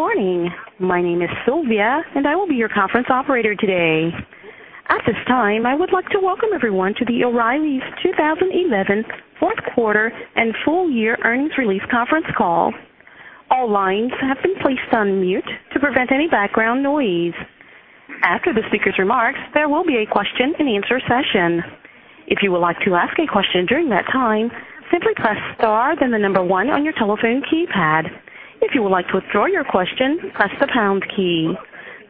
Good morning. My name is Sylvia, and I will be your conference operator today. At this time, I would like to welcome everyone to the O'Reilly 2011 Fourth Quarter and Full-Year Earnings Release Conference Call. All lines have been placed on mute to prevent any background noise. After the speaker's remarks, there will be a question and answer session. If you would like to ask a question during that time, simply press star then the number one on your telephone keypad. If you would like to withdraw your question, press the pound key.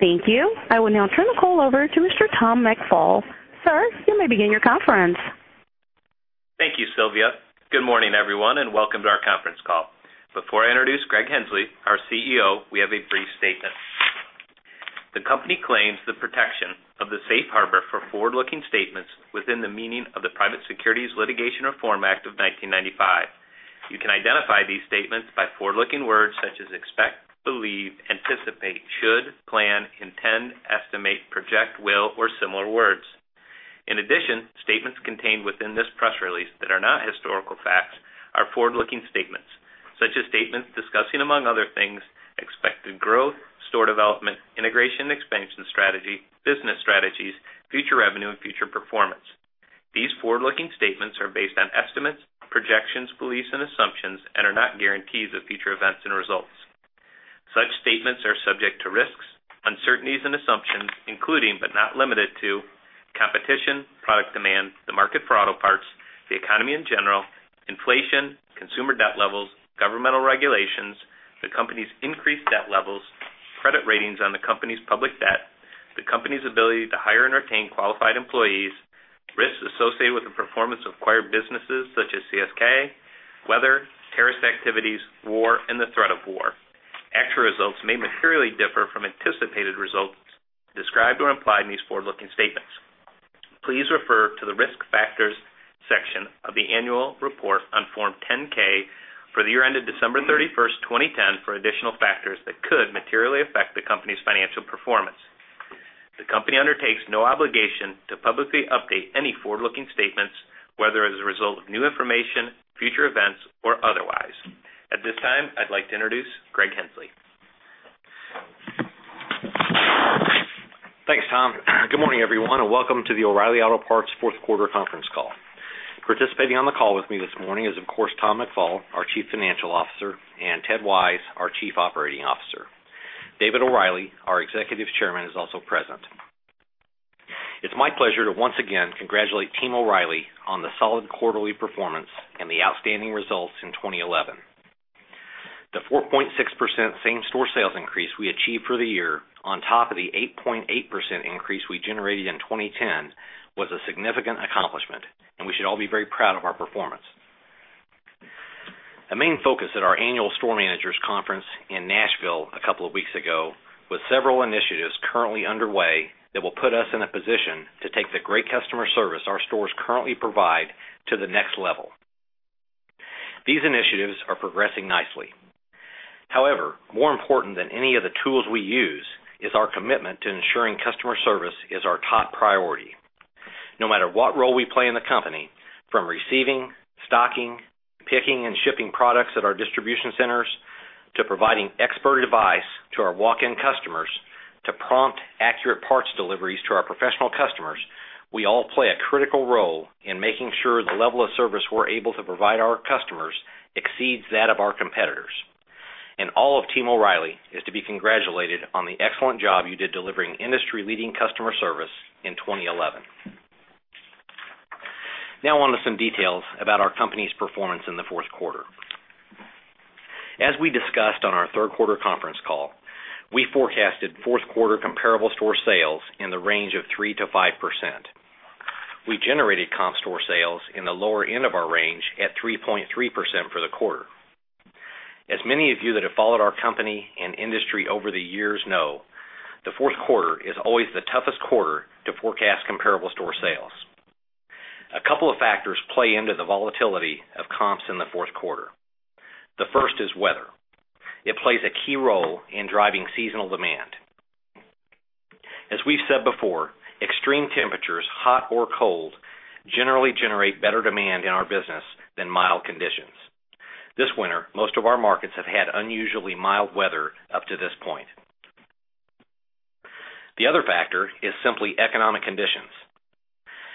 Thank you. I will now turn the call over to Mr. Tom McFall. Sir, you may begin your conference. Thank you, Sylvia. Good morning, everyone, and welcome to our conference call. Before I introduce Greg Henslee, our CEO, we have a brief statement. The company claims the protection of the safe harbor for forward-looking statements within the meaning of the Private Securities Litigation Reform Act of 1995. You can identify these statements by forward-looking words such as expect, believe, anticipate, should, plan, intend, estimate, project, will, or similar words. In addition, statements contained within this press release that are not historical facts are forward-looking statements, such as statements discussing, among other things, expected growth, store development, integration and expansion strategy, business strategies, future revenue, and future performance. These forward-looking statements are based on estimates, projections, beliefs, and assumptions and are not guarantees of future events and results. Such statements are subject to risks, uncertainties, and assumptions, including but not limited to competition, product demand, the market for auto parts, the economy in general, inflation, consumer debt levels, governmental regulations, the company's increased debt levels, credit ratings on the company's public debt, the company's ability to hire and retain qualified employees, risks associated with the performance of acquired businesses such as CSK Auto, weather, terrorist activities, war, and the threat of war. Actual results may materially differ from anticipated results described or implied in these forward-looking statements. Please refer to the risk factors section of the annual report on Form 10-K for the year ended December 31, 2010, for additional factors that could materially affect the company's financial performance. The company undertakes no obligation to publicly update any forward-looking statements, whether as a result of new information, future events, or otherwise. At this time, I'd like to introduce Greg Henslee. Thanks, Tom. Good morning, everyone, and welcome to the O'Reilly Automotive fourth quarter conference call. Participating on the call with me this morning is, of course, Tom McFall, our Chief Financial Officer, and Ted Wise, our Chief Operating Officer. David O'Reilly, our Executive Chairman, is also present. It's my pleasure to once again congratulate Team O'Reilly on the solid quarterly performance and the outstanding results in 2011. The 4.6% same-store sales increase we achieved for the year, on top of the 8.8% increase we generated in 2010, was a significant accomplishment, and we should all be very proud of our performance. A main focus at our annual Store Managers Conference in Nashville a couple of weeks ago was several initiatives currently underway that will put us in a position to take the great customer service our stores currently provide to the next level. These initiatives are progressing nicely. However, more important than any of the tools we use is our commitment to ensuring customer service is our top priority. No matter what role we play in the company, from receiving, stocking, picking, and shipping products at our distribution centers to providing expert advice to our walk-in customers to prompt, accurate parts deliveries to our professional customers, we all play a critical role in making sure the level of service we're able to provide our customers exceeds that of our competitors. All of Team O'Reilly is to be congratulated on the excellent job you did delivering industry-leading customer service in 2011. Now on to some details about our company's performance in the fourth quarter. As we discussed on our third quarter conference call, we forecasted fourth quarter comparable store sales in the range of 3%-5%. We generated comp store sales in the lower end of our range at 3.3% for the quarter. As many of you that have followed our company and industry over the years know, the fourth quarter is always the toughest quarter to forecast comparable store sales. A couple of factors play into the volatility of comps in the fourth quarter. The first is weather. It plays a key role in driving seasonal demand. As we've said before, extreme temperatures, hot or cold, generally generate better demand in our business than mild conditions. This winter, most of our markets have had unusually mild weather up to this point. The other factor is simply economic conditions.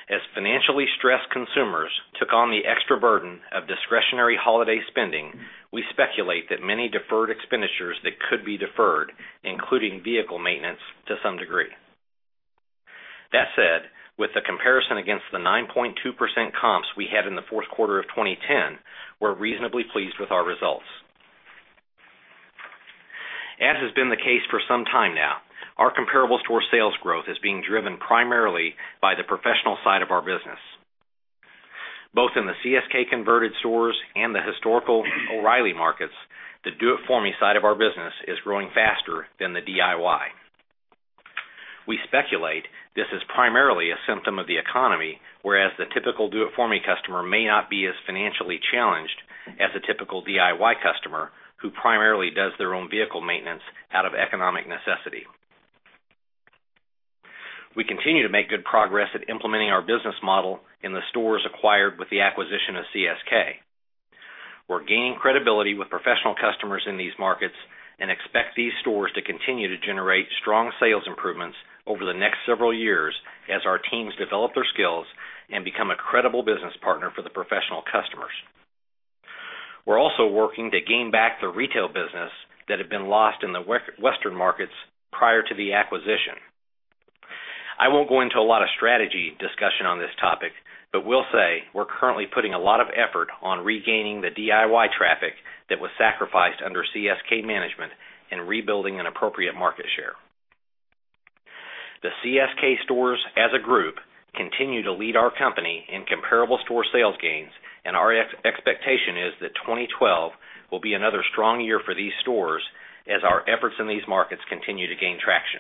As financially stressed consumers took on the extra burden of discretionary holiday spending, we speculate that many deferred expenditures that could be deferred, including vehicle maintenance, to some degree. That said, with the comparison against the 9.2% comps we had in the fourth quarter of 2010, we're reasonably pleased with our results. As has been the case for some time now, our comparable store sales growth is being driven primarily by the professional side of our business. Both in the CSK-converted stores and the historical O'Reilly markets, the do-it-for-me side of our business is growing faster than the DIY. We speculate this is primarily a symptom of the economy, whereas the typical do-it-for-me customer may not be as financially challenged as a typical DIY customer who primarily does their own vehicle maintenance out of economic necessity. We continue to make good progress at implementing our business model in the stores acquired with the acquisition of CSK. We're gaining credibility with professional customers in these markets and expect these stores to continue to generate strong sales improvements over the next several years as our teams develop their skills and become a credible business partner for the professional customers. We're also working to gain back the retail business that had been lost in the Western markets prior to the acquisition. I won't go into a lot of strategy discussion on this topic, but will say we're currently putting a lot of effort on regaining the DIY traffic that was sacrificed under CSK management and rebuilding an appropriate market share. The CSK stores, as a group, continue to lead our company in comparable store sales gains, and our expectation is that 2012 will be another strong year for these stores as our efforts in these markets continue to gain traction.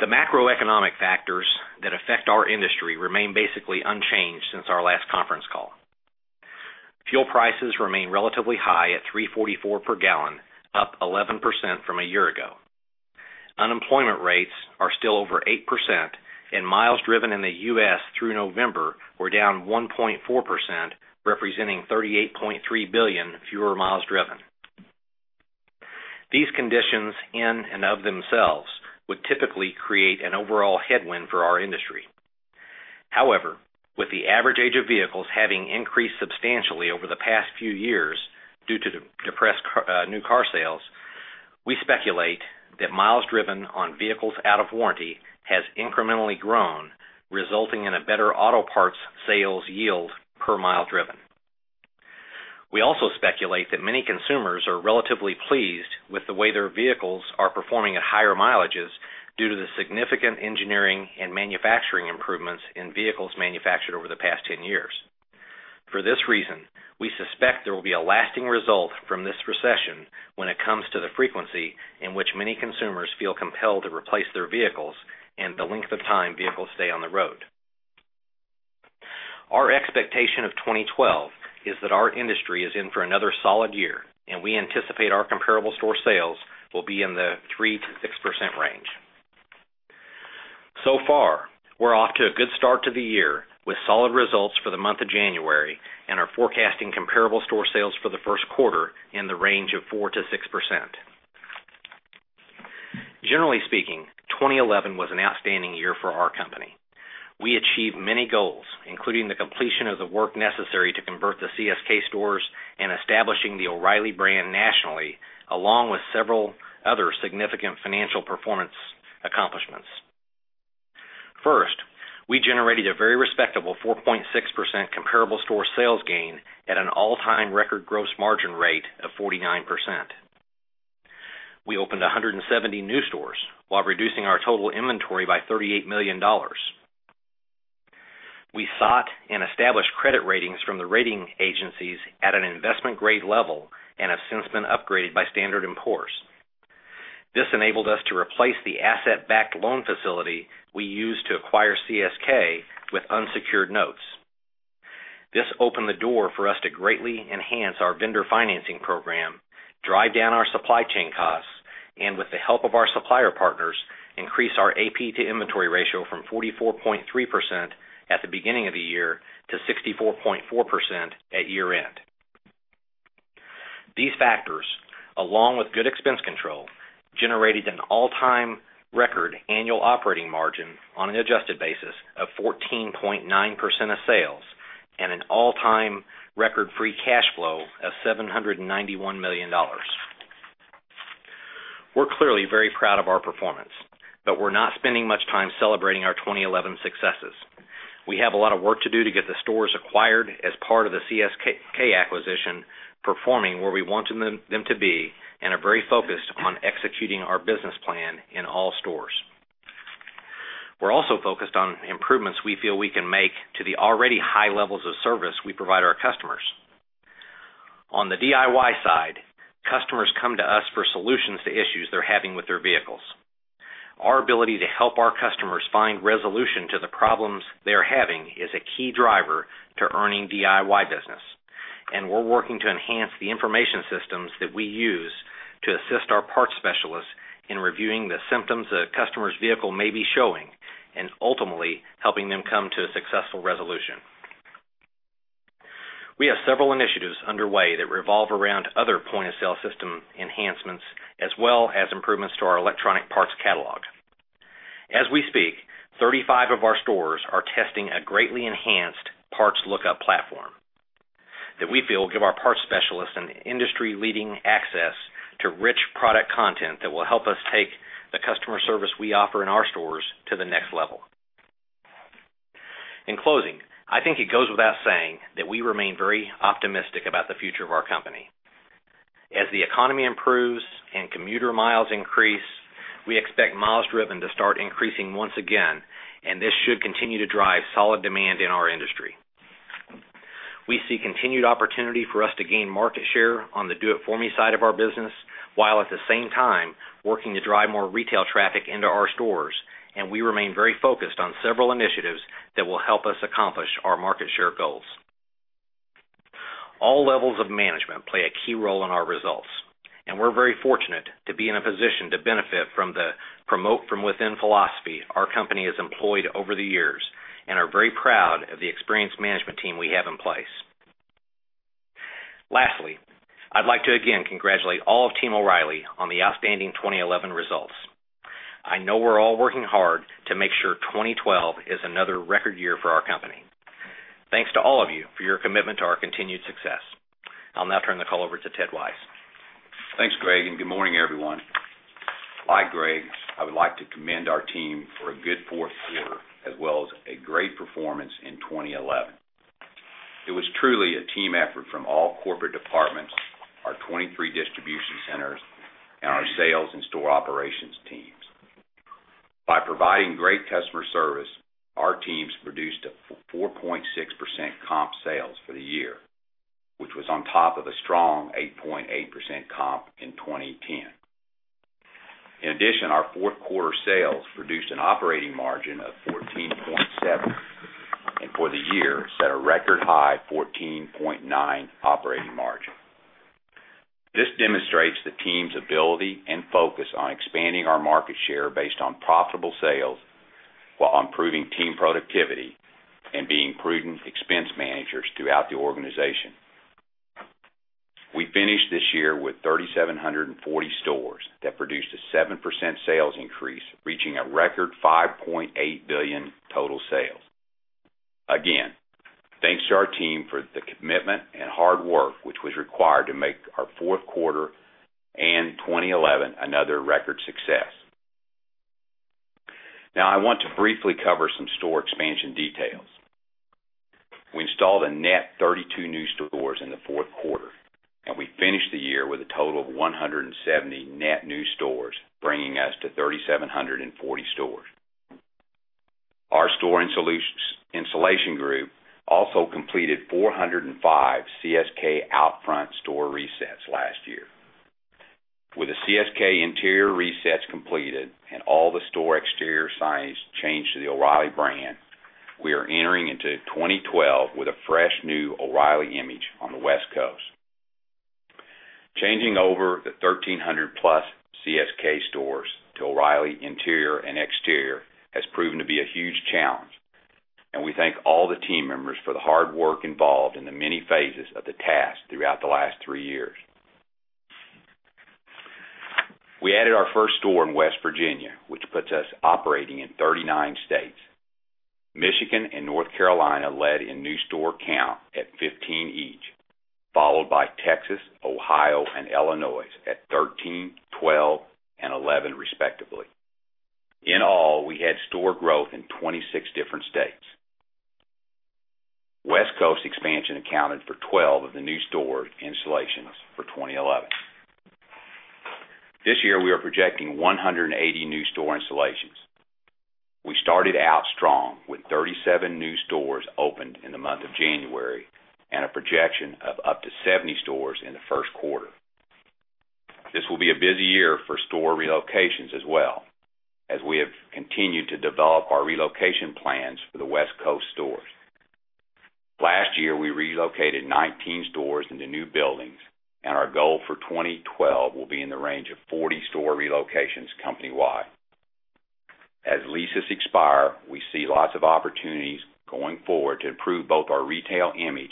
The macroeconomic factors that affect our industry remain basically unchanged since our last conference call. Fuel prices remain relatively high at $3.44 per gallon, up 11% from a year ago. Unemployment rates are still over 8%, and miles driven in the U.S. through November were down 1.4%, representing 38.3 billion fewer miles driven. These conditions in and of themselves would typically create an overall headwind for our industry. However, with the average age of vehicles having increased substantially over the past few years due to depressed new car sales, we speculate that miles driven on vehicles out of warranty has incrementally grown, resulting in a better auto parts sales yield per mile driven. We also speculate that many consumers are relatively pleased with the way their vehicles are performing at higher mileages due to the significant engineering and manufacturing improvements in vehicles manufactured over the past 10 years. For this reason, we suspect there will be a lasting result from this recession when it comes to the frequency in which many consumers feel compelled to replace their vehicles and the length of time vehicles stay on the road. Our expectation of 2012 is that our industry is in for another solid year, and we anticipate our comparable store sales will be in the 3%-6% range. We're off to a good start to the year with solid results for the month of January and are forecasting comparable store sales for the first quarter in the range of 4%-6%. Generally speaking, 2011 was an outstanding year for our company. We achieved many goals, including the completion of the work necessary to convert the CSK Auto stores and establishing the O'Reilly brand nationally, along with several other significant financial performance accomplishments. First, we generated a very respectable 4.6% comparable store sales gain at an all-time record gross margin rate of 49%. We opened 170 new stores while reducing our total inventory by $38 million. We sought and established credit ratings from the rating agencies at an investment-grade level and have since been upgraded by Standard & Poor’s. This enabled us to replace the asset-backed loan facility we used to acquire CSK Auto with unsecured notes. This opened the door for us to greatly enhance our vendor financing program, drive down our supply chain costs, and with the help of our supplier partners, increase our accounts payable to inventory ratio from 44.3% at the beginning of the year to 64.4% at year-end. These factors, along with good expense control, generated an all-time record annual operating margin on an adjusted basis of 14.9% of sales and an all-time record free cash flow of $791 million. We're clearly very proud of our performance, but we're not spending much time celebrating our 2011 successes. We have a lot of work to do to get the stores acquired as part of the CSK Auto acquisition performing where we wanted them to be, and are very focused on executing our business plan in all stores. We're also focused on improvements we feel we can make to the already high levels of service we provide our customers. On the DIY side, customers come to us for solutions to issues they're having with their vehicles. Our ability to help our customers find resolution to the problems they're having is a key driver to earning DIY business, and we're working to enhance the information systems that we use to assist our parts specialists in reviewing the symptoms a customer's vehicle may be showing and ultimately helping them come to a successful resolution. We have several initiatives underway that revolve around other point-of-sale system enhancements, as well as improvements to our electronic parts catalog systems. As we speak, 35 of our stores are testing a greatly enhanced parts lookup platform that we feel will give our parts specialists an industry-leading access to rich product content that will help us take the customer service we offer in our stores to the next level. In closing, I think it goes without saying that we remain very optimistic about the future of our company. As the economy improves and commuter miles increase, we expect miles driven to start increasing once again, and this should continue to drive solid demand in our industry. We see continued opportunity for us to gain market share on the do-it-for-me side of our business, while at the same time working to drive more retail traffic into our stores, and we remain very focused on several initiatives that will help us accomplish our market share goals. All levels of management play a key role in our results, and we're very fortunate to be in a position to benefit from the promote-from-within philosophy our company has employed over the years and are very proud of the experienced management team we have in place. Lastly, I'd like to again congratulate all of Team O'Reilly on the outstanding 2011 results. I know we're all working hard to make sure 2012 is another record year for our company. Thanks to all of you for your commitment to our continued success. I'll now turn the call over to Ted Wise. Thanks, Greg, and good morning, everyone. Like Greg, I would like to commend our team for a good fourth quarter as well as a great performance in 2011. It was truly a team effort from all corporate departments, our 23 distribution centers, and our sales and store operations teams. By providing great customer service, our teams produced a 4.6% comp sales for the year, which was on top of a strong 8.8% comp in 2010. In addition, our fourth quarter sales produced an operating margin of 14.7%, and for the year set a record high 14.9% operating margin. This demonstrates the team's ability and focus on expanding our market share based on profitable sales while improving team productivity and being prudent expense managers throughout the organization. We finished this year with 3,740 stores that produced a 7% sales increase, reaching a record $5.8 billion total sales. Again, thanks to our team for the commitment and hard work which was required to make our fourth quarter and 2011 another record success. Now, I want to briefly cover some store expansion details. We installed a net 32 new stores in the fourth quarter, and we finished the year with a total of 170 net new stores, bringing us to 3,740 stores. Our store installation group also completed 405 CSK out-front store resets last year. With the CSK interior resets completed and all the store exterior signs changed to the O'Reilly brand, we are entering into 2012 with a fresh new O'Reilly image on the West Coast. Changing over the 1,300+ CSK stores to O'Reilly interior and exterior has proven to be a huge challenge, and we thank all the team members for the hard work involved in the many phases of the task throughout the last three years. We added our first store in West Virginia, which puts us operating in 39 states. Michigan and North Carolina led in new store count at 15 each, followed by Texas, Ohio, and Illinois at 13, 12, and 11, respectively. In all, we had store growth in 26 different states. West Coast expansion accounted for 12 of the new store installations for 2011. This year, we are projecting 180 new store installations. We started out strong with 37 new stores opened in the month of January and a projection of up to 70 stores in the first quarter. This will be a busy year for store relocations as well, as we have continued to develop our relocation plans for the West Coast stores. Last year, we relocated 19 stores into new buildings, and our goal for 2012 will be in the range of 40 store relocations company-wide. As leases expire, we see lots of opportunities going forward to improve both our retail image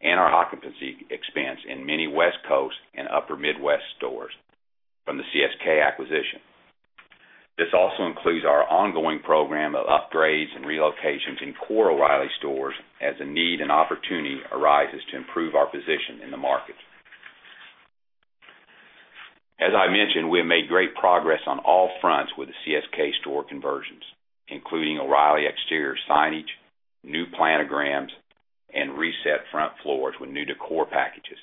and our occupancy expense in many West Coast and Upper Midwest stores from the CSK acquisition. This also includes our ongoing program of upgrades and relocations in core O'Reilly stores as a need and opportunity arises to improve our position in the market. As I mentioned, we have made great progress on all fronts with the CSK Auto store conversions, including O'Reilly exterior signage, new planograms, and reset front floors with new decor packages.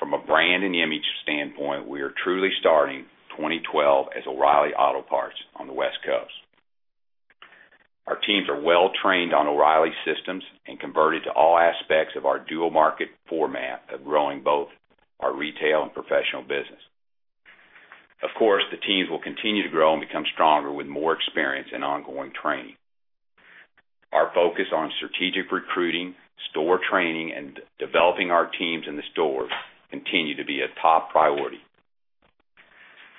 From a brand and image standpoint, we are truly starting 2012 as O'Reilly Auto Parts on the West Coast. Our teams are well-trained on O'Reilly systems and converted to all aspects of our dual-market format of growing both our retail and professional business. Of course, the teams will continue to grow and become stronger with more experience and ongoing training. Our focus on strategic recruiting, store training, and developing our teams in the stores continues to be a top priority.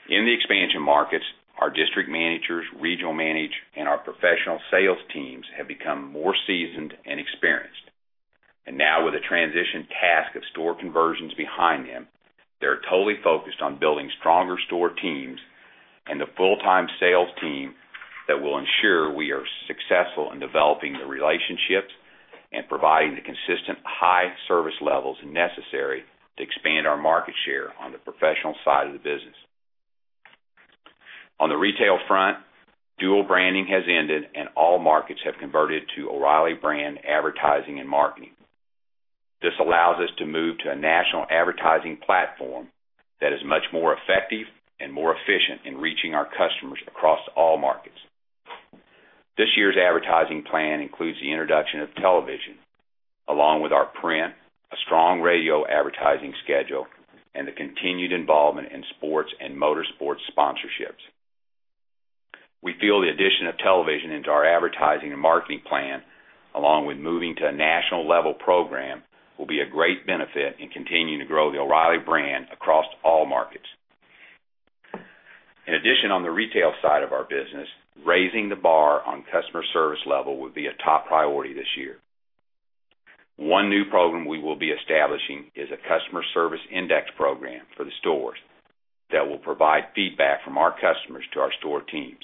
In the expansion markets, our District Managers, Regional Managers, and our professional sales teams have become more seasoned and experienced. Now, with the transition task of store conversions behind them, they're totally focused on building stronger store teams and the full-time sales team that will ensure we are successful in developing the relationships and providing the consistent high service levels necessary to expand our market share on the professional side of the business. On the retail front, dual branding has ended, and all markets have converted to O'Reilly brand advertising and marketing. This allows us to move to a national advertising platform that is much more effective and more efficient in reaching our customers across all markets. This year's advertising plan includes the introduction of television, along with our print, a strong radio advertising schedule, and the continued involvement in sports and motorsports sponsorships. We feel the addition of television into our advertising and marketing plan, along with moving to a national-level program, will be a great benefit in continuing to grow the O'Reilly brand across all markets. In addition, on the retail side of our business, raising the bar on customer service level will be a top priority this year. One new program we will be establishing is a customer service index program for the stores that will provide feedback from our customers to our store teams.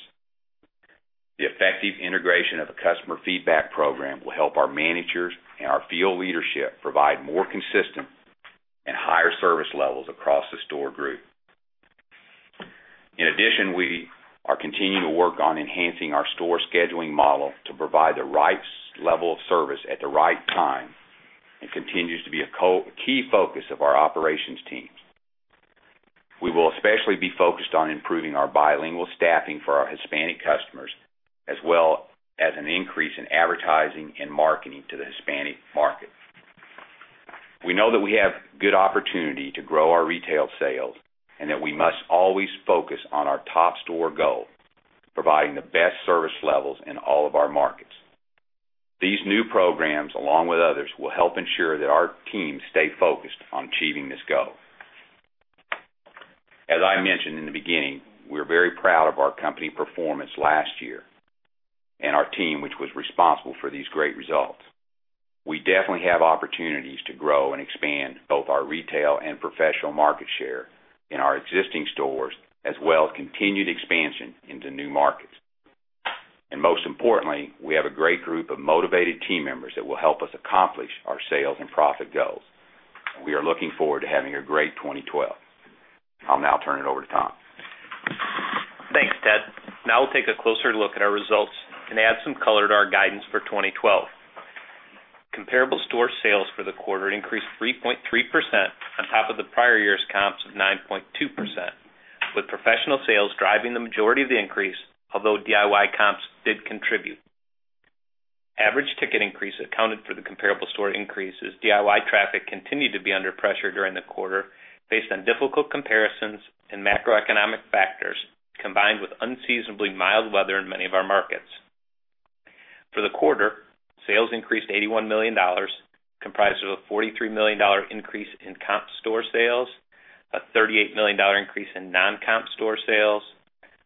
The effective integration of a customer feedback program will help our managers and our field leadership provide more consistent and higher service levels across the store group. In addition, we are continuing to work on enhancing our store scheduling model to provide the right level of service at the right time and it continues to be a key focus of our operations teams. We will especially be focused on improving our bilingual staffing for our Hispanic customers, as well as an increase in advertising and marketing to the Hispanic market. We know that we have good opportunity to grow our retail sales and that we must always focus on our top store goal, providing the best service levels in all of our markets. These new programs, along with others, will help ensure that our teams stay focused on achieving this goal. As I mentioned in the beginning, we are very proud of our company performance last year and our team, which was responsible for these great results. We definitely have opportunities to grow and expand both our retail and professional market share in our existing stores, as well as continued expansion into new markets. Most importantly, we have a great group of motivated team members that will help us accomplish our sales and profit goals. We are looking forward to having a great 2012. I'll now turn it over to Tom. Thanks, Ted. Now we'll take a closer look at our results and add some color to our guidance for 2012. Comparable store sales for the quarter increased 3.3% on top of the prior year's comps of 9.2%, with professional sales driving the majority of the increase, although DIY comps did contribute. Average ticket increase accounted for the comparable store increases. DIY traffic continued to be under pressure during the quarter based on difficult comparisons and macroeconomic factors, combined with unseasonably mild weather in many of our markets. For the quarter, sales increased $81 million, comprised of a $43 million increase in comp store sales, a $38 million increase in non-comp store sales,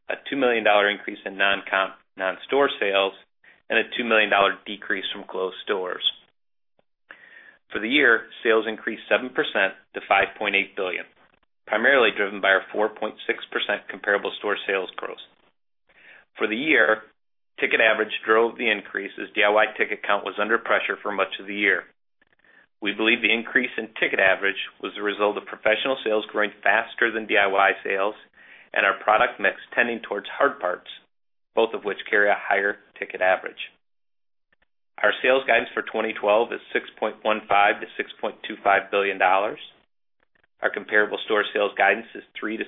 a $2 million increase in non-comp non-store sales, and a $2 million decrease from closed stores. For the year, sales increased 7% to $5.8 billion, primarily driven by our 4.6% comparable store sales growth. For the year, ticket average drove the increase as DIY ticket count was under pressure for much of the year. We believe the increase in ticket average was the result of professional sales growing faster than DIY sales and our product mix tending towards hard parts, both of which carry a higher ticket average. Our sales guidance for 2012 is $6.15 billion-$6.25 billion. Our comparable store sales guidance is 3%-6%,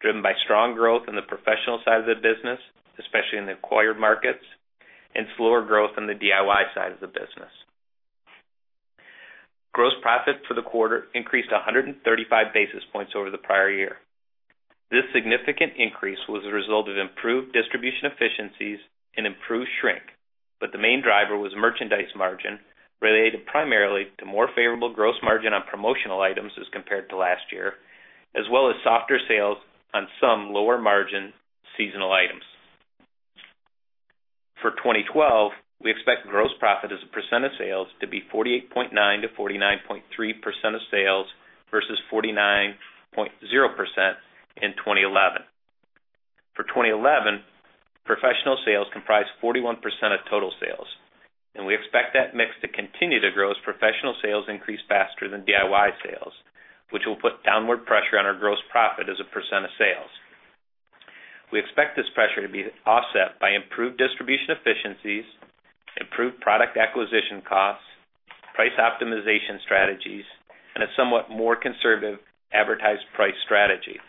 driven by strong growth in the professional side of the business, especially in the acquired markets, and slower growth in the DIY side of the business. Gross profit for the quarter increased 135 basis points over the prior year. This significant increase was a result of improved distribution efficiencies and improved shrink, but the main driver was merchandise margin, related primarily to more favorable gross margin on promotional items as compared to last year, as well as softer sales on some lower margin seasonal items. For 2012, we expect gross profit as a percent of sales to be 48.9%-49.3% of sales versus 49.0% in 2011. For 2011, professional sales comprised 41% of total sales, and we expect that mix to continue to grow as professional sales increase faster than DIY sales, which will put downward pressure on our gross profit as a percent of sales. We expect this pressure to be offset by improved distribution efficiencies, improved product acquisition costs, price optimization strategies, and a somewhat more conservative advertised price strategy.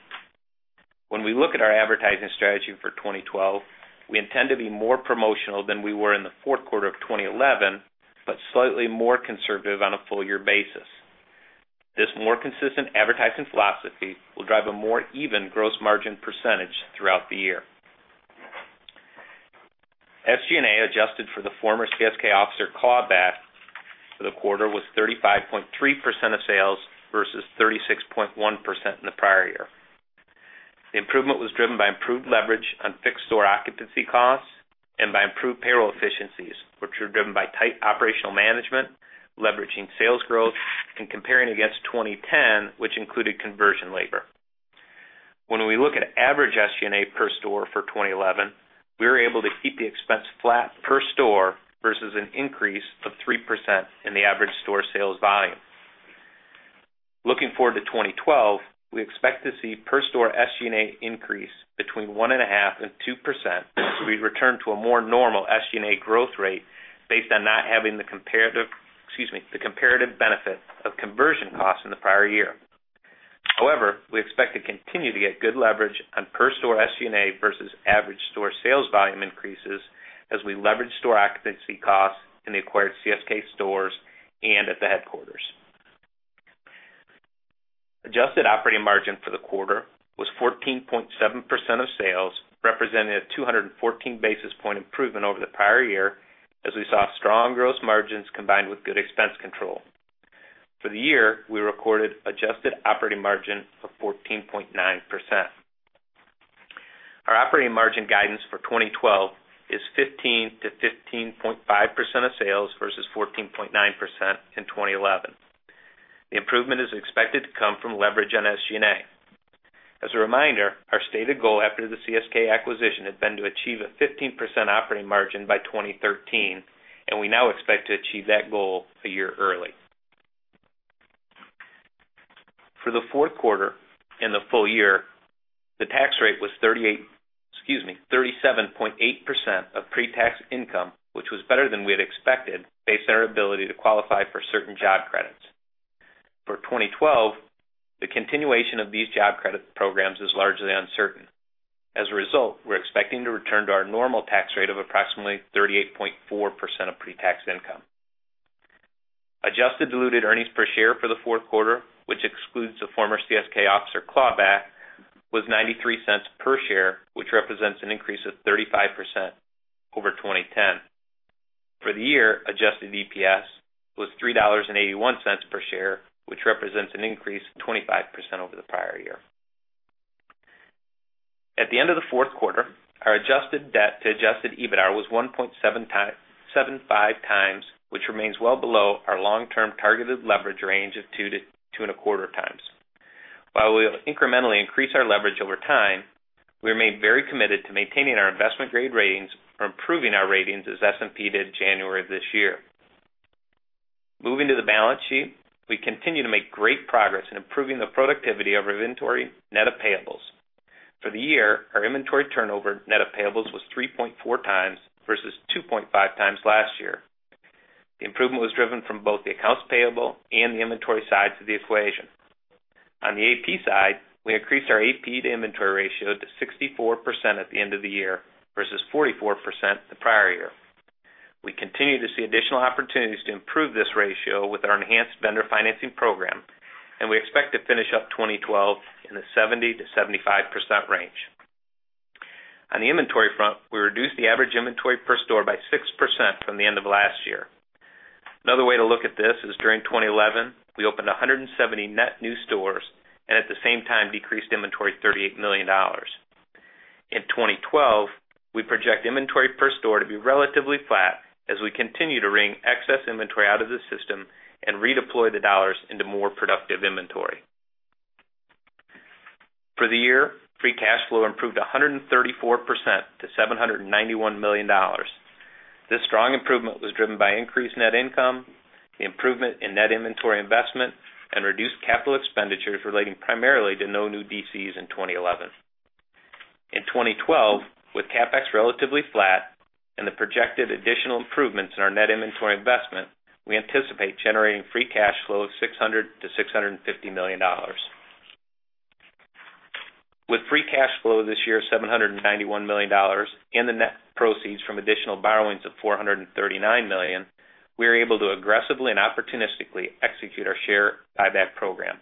When we look at our advertising strategy for 2012, we intend to be more promotional than we were in the fourth quarter of 2011, but slightly more conservative on a full-year basis. This more consistent advertising philosophy will drive a more even gross margin percentage throughout the year. SG&A adjusted for the former CSK officer clawback for the quarter was 35.3% of sales versus 36.1% in the prior year. The improvement was driven by improved leverage on fixed store occupancy costs and by improved payroll efficiencies, which were driven by tight operational management, leveraging sales growth, and comparing against 2010, which included conversion labor. When we look at average SG&A per store for 2011, we were able to keep the expense flat per store versus an increase of 3% in the average store sales volume. Looking forward to 2012, we expect to see per store SG&A increase between 1.5% and 2%, so we return to a more normal SG&A growth rate based on not having the comparative benefit of conversion costs in the prior year. However, we expect to continue to get good leverage on per store SG&A versus average store sales volume increases as we leverage store occupancy costs in the acquired CSK stores and at the headquarters. Adjusted operating margin for the quarter was 14.7% of sales, representing a 214 basis point improvement over the prior year, as we saw strong gross margins combined with good expense control. For the year, we recorded an adjusted operating margin of 14.9%. Our operating margin guidance for 2012 is 15%-15.5% of sales versus 14.9% in 2011. The improvement is expected to come from leverage on SG&A. As a reminder, our stated goal after the CSK acquisition had been to achieve a 15% operating margin by 2013, and we now expect to achieve that goal a year early. For the fourth quarter and the full year, the tax rate was 37.8% of pre-tax income, which was better than we had expected based on our ability to qualify for certain job credits. For 2012, the continuation of these job credits programs is largely uncertain. As a result, we're expecting to return to our normal tax rate of approximately 38.4% of pre-tax income. Adjusted diluted earnings per share for the fourth quarter, which excludes the former CSK officer clawback, was $0.93 per share, which represents an increase of 35% over 2010. For the year, adjusted EPS was $3.81 per share, which represents an increase of 25% over the prior year. At the end of the fourth quarter, our adjusted debt to adjusted EBITDA was 1.75x, which remains well below our long-term targeted leverage range of 2x-2.25x. While we will incrementally increase our leverage over time, we remain very committed to maintaining our investment-grade ratings or improving our ratings as S&P did in January of this year. Moving to the balance sheet, we continue to make great progress in improving the productivity of our inventory net of payables. For the year, our inventory turnover net of payables was 3.4x versus 2.5x last year. The improvement was driven from both the accounts payable and the inventory sides of the equation. On the AP side, we increased our accounts payable to inventory ratio to 64% at the end of the year versus 44% the prior year. We continue to see additional opportunities to improve this ratio with our enhanced vendor financing program, and we expect to finish up 2012 in the 70%-75% range. On the inventory front, we reduced the average inventory per store by 6% from the end of last year. Another way to look at this is during 2011, we opened 170 net new stores and at the same time decreased inventory $38 million. In 2012, we project inventory per store to be relatively flat as we continue to wring excess inventory out of the system and redeploy the dollars into more productive inventory. For the year, free cash flow improved 134% to $791 million. This strong improvement was driven by increased net income, the improvement in net inventory investment, and reduced capital expenditures relating primarily to no new DCs in 2011. In 2012, with CapEx relatively flat and the projected additional improvements in our net inventory investment, we anticipate generating free cash flow of $600 million-$650 million. With free cash flow this year of $791 million and the net proceeds from additional borrowings of $439 million, we are able to aggressively and opportunistically execute our share repurchase program.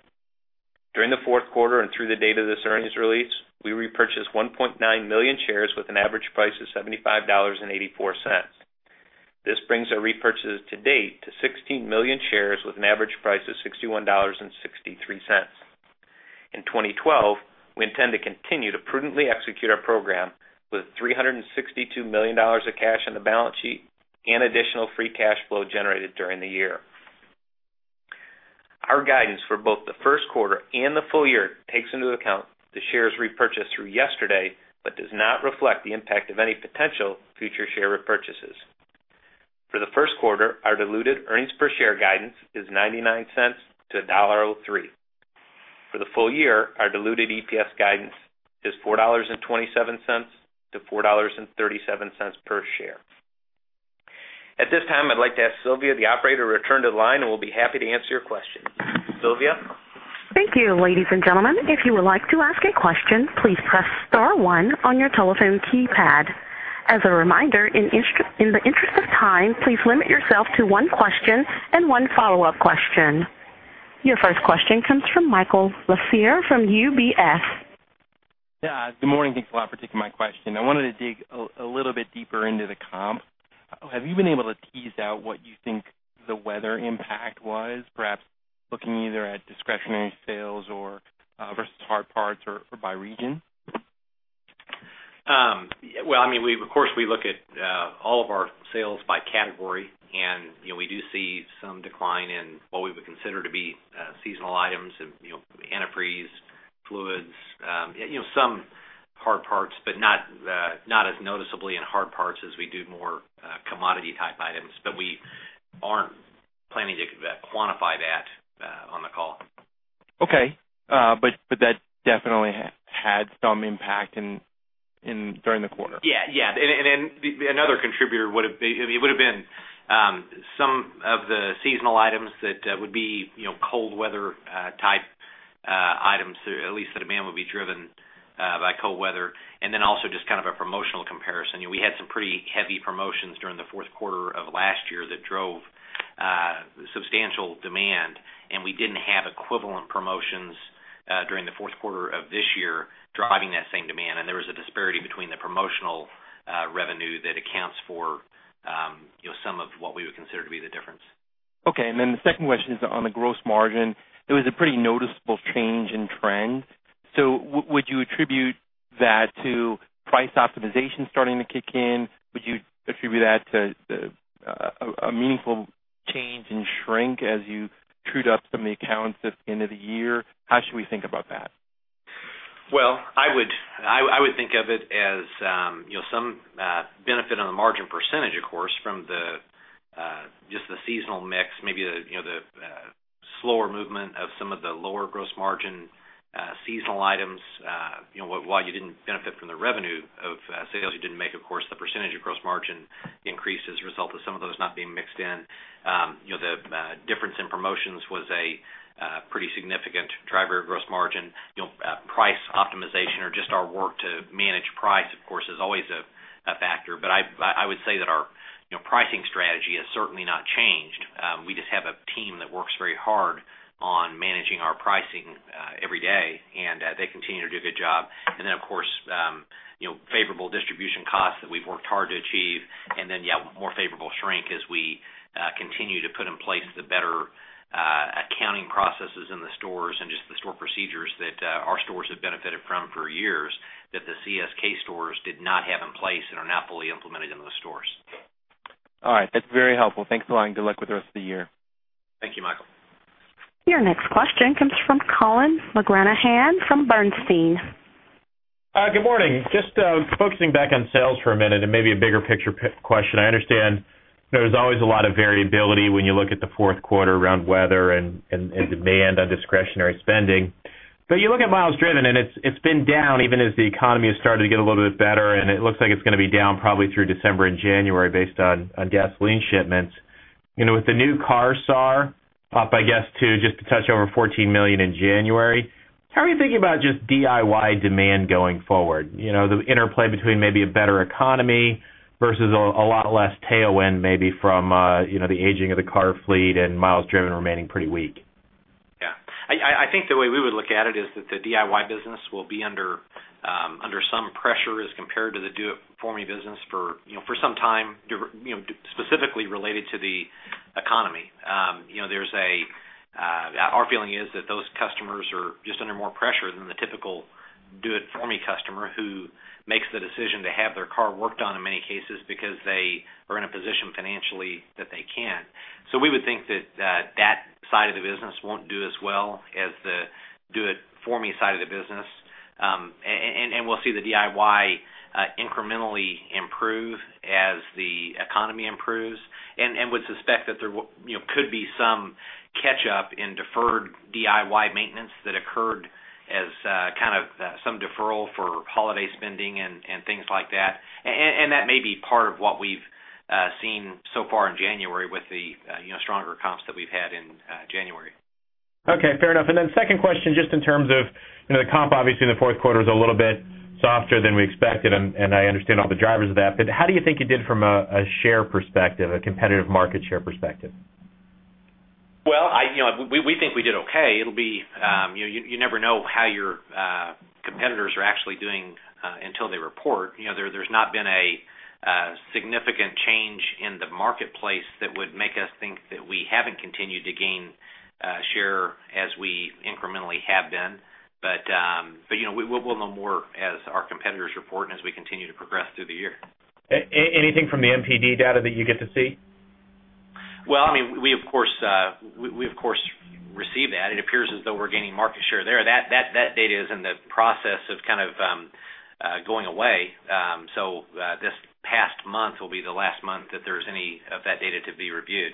During the fourth quarter and through the date of this earnings release, we repurchased 1.9 million shares with an average price of $75.84. This brings our repurchases to date to 16 million shares with an average price of $61.63. In 2012, we intend to continue to prudently execute our program with $362 million of cash in the balance sheet and additional free cash flow generated during the year. Our guidance for both the first quarter and the full year takes into account the shares repurchased through yesterday but does not reflect the impact of any potential future share repurchases. For the first quarter, our diluted earnings per share guidance is $0.99-$1.03. For the full year, our diluted EPS guidance is $4.27-$4.37 per share. At this time, I'd like to ask Sylvia, the operator, to return to the line, and we'll be happy to answer your question. Sylvia? Thank you, ladies and gentlemen. If you would like to ask a question, please press star one on your telephone keypad. As a reminder, in the interest of time, please limit yourself to one question and one follow-up question. Your first question comes from Michael Lasser from UBS. Good morning. Thanks a lot for taking my question. I wanted to dig a little bit deeper into the comp. Have you been able to tease out what you think the weather impact was, perhaps looking either at discretionary sales versus hard parts or by region? Of course, we look at all of our sales by category, and we do see some decline in what we would consider to be seasonal items and antifreeze, fluids, some hard parts, but not as noticeably in hard parts as we do more commodity-type items. We aren't planning to quantify that on the call. Okay, that definitely had some impact during the quarter. Another contributor would have been some of the seasonal items that would be cold weather type items, at least the demand would be driven by cold weather. Also, just kind of a promotional comparison. We had some pretty heavy promotions during the fourth quarter of last year that drove substantial demand, and we didn't have equivalent promotions during the fourth quarter of this year driving that same demand. There was a disparity between the promotional revenue that accounts for some of what we would consider to be the difference. Okay. The second question is on the gross margin. There was a pretty noticeable change in trend. Would you attribute that to price optimization starting to kick in? Would you attribute that to a meaningful change in shrink as you trued up some of the accounts at the end of the year? How should we think about that? I would think of it as some benefit on the margin percentage, of course, from just the seasonal mix, maybe the slower movement of some of the lower gross margin seasonal items. While you didn't benefit from the revenue of sales you didn't make, of course, the percentage of gross margin increase is a result of some of those not being mixed in. The difference in promotions was a pretty significant driver of gross margin. Price optimization or just our work to manage price, of course, is always a factor. I would say that our pricing strategy has certainly not changed. We just have a team that works very hard on managing our pricing every day, and they continue to do a good job. Of course, favorable distribution costs that we've worked hard to achieve, and then, yeah, more favorable shrink as we continue to put in place the better accounting processes in the stores and just the store procedures that our stores have benefited from for years that the CSK stores did not have in place and are now fully implemented in those stores. All right. That's very helpful. Thanks a lot, and good luck with the rest of the year. Thank you, Michael. Your next question comes from Colin McGranahan from Bernstein. Good morning. Just focusing back on sales for a minute and maybe a bigger picture question. I understand there's always a lot of variability when you look at the fourth quarter around weather and demand on discretionary spending. You look at miles driven, and it's been down even as the economy has started to get a little bit better, and it looks like it's going to be down probably through December and January based on gasoline shipments. With the new cars up, I guess, to just a touch over 14 million in January, how are you thinking about just DIY demand going forward? The interplay between maybe a better economy versus a lot less tailwind maybe from the aging of the car fleet and miles driven remaining pretty weak. Yeah. I think the way we would look at it is that the DIY business will be under some pressure as compared to the do-it-for-me business for some time, specifically related to the economy. Our feeling is that those customers are just under more pressure than the typical do-it-for-me customer who makes the decision to have their car worked on in many cases because they are in a position financially that they can't. We would think that that side of the business won't do as well as the do-it-for-me side of the business. We'll see the DIY incrementally improve as the economy improves and would suspect that there could be some catch-up in deferred DIY maintenance that occurred as kind of some deferral for holiday spending and things like that. That may be part of what we've seen so far in January with the stronger comps that we've had in January. Okay. Fair enough. Then second question, just in terms of the comp, obviously, in the fourth quarter is a little bit softer than we expected. I understand all the drivers of that. How do you think it did from a share perspective, a competitive market share perspective? We think we did okay. You never know how your competitors are actually doing until they report. There's not been a significant change in the marketplace that would make us think that we haven't continued to gain share as we incrementally have been. We'll know more as our competitors report and as we continue to progress through the year. Anything from the MPD data that you get to see? I mean, we, of course, receive that. It appears as though we're gaining market share there. That data is in the process of kind of going away. This past month will be the last month that there's any of that data to be reviewed.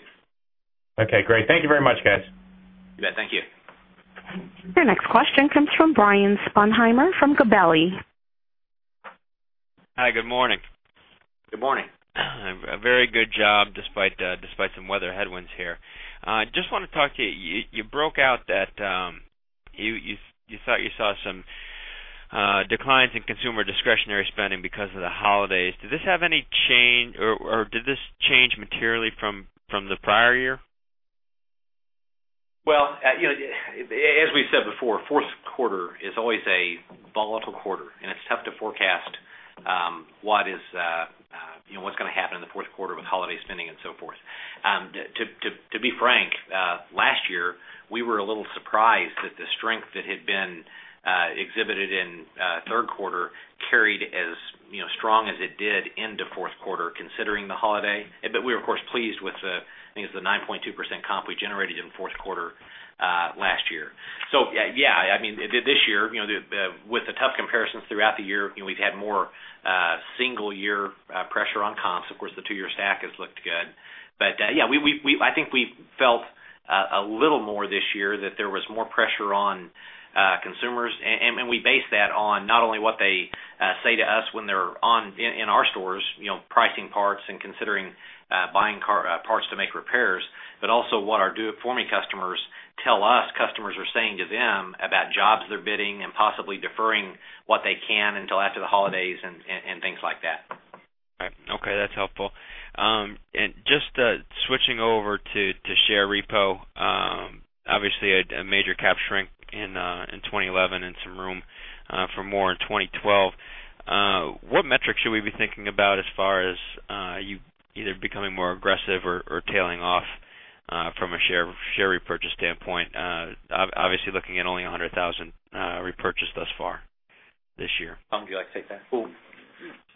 Okay. Great. Thank you very much, guys. You bet. Thank you. The next question comes from Brian Sponheimer from Gabelli. Hi, good morning. Good morning. A very good job despite some weather headwinds here. I just want to talk to you. You broke out that you thought you saw some declines in consumer discretionary spending because of the holidays. Did this have any change, or did this change materially from the prior year? As we said before, the fourth quarter is always a volatile quarter, and it's tough to forecast what is going to happen in the fourth quarter with holiday spending and so forth. To be frank, last year, we were a little surprised that the strength that had been exhibited in the third quarter carried as strong as it did in the fourth quarter considering the holiday. We were, of course, pleased with, I think it was the 9.2% comp we generated in the fourth quarter last year. This year, with the tough comparisons throughout the year, we've had more single-year pressure on comps. Of course, the two-year stack has looked good. I think we felt a little more this year that there was more pressure on consumers, and we base that on not only what they say to us when they're in our stores, pricing parts and considering buying parts to make repairs, but also what our do-it-for-me customers tell us customers are saying to them about jobs they're bidding and possibly deferring what they can until after the holidays and things like that. Right. Okay, that's helpful. Just switching over to share repurchase, obviously, a major cap shrink in 2011 and some room for more in 2012. What metrics should we be thinking about as far as you either becoming more aggressive or tailing off from a share repurchase standpoint, obviously looking at only 100,000 repurchased thus far this year?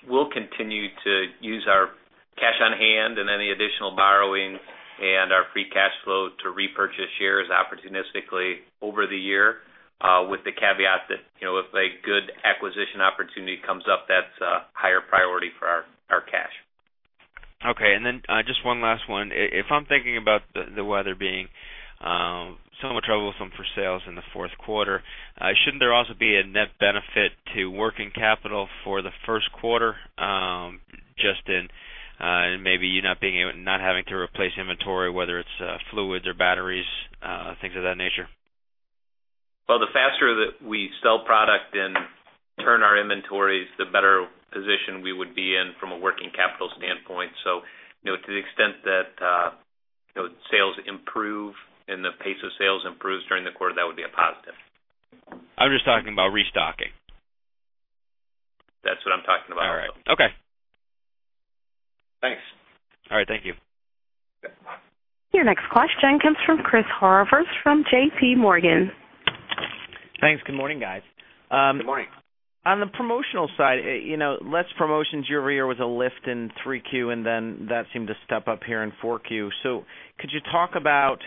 We'll continue to use our cash on hand and any additional borrowing and our free cash flow to repurchase shares opportunistically over the year, with the caveat that if a good acquisition opportunity comes up, that's a higher priority for our cash. Okay. Just one last one. If I'm thinking about the weather being somewhat troublesome for sales in the fourth quarter, shouldn't there also be a net benefit to working capital for the first quarter just in maybe you not having to replace inventory, whether it's fluids or batteries, things of that nature? The faster that we sell product and turn our inventories, the better position we would be in from a working capital standpoint. To the extent that sales improve and the pace of sales improves during the quarter, that would be a positive. I'm just talking about restocking. That's what I'm talking about. All right. Okay. Thanks. All right. Thank you. Your next question comes from Chris Horvers from JP Morgan. Thanks. Good morning, guys. Good morning. On the promotional side, less promotions year over year was a lift in 3Q, and that seemed to step up here in 4Q. Could you talk about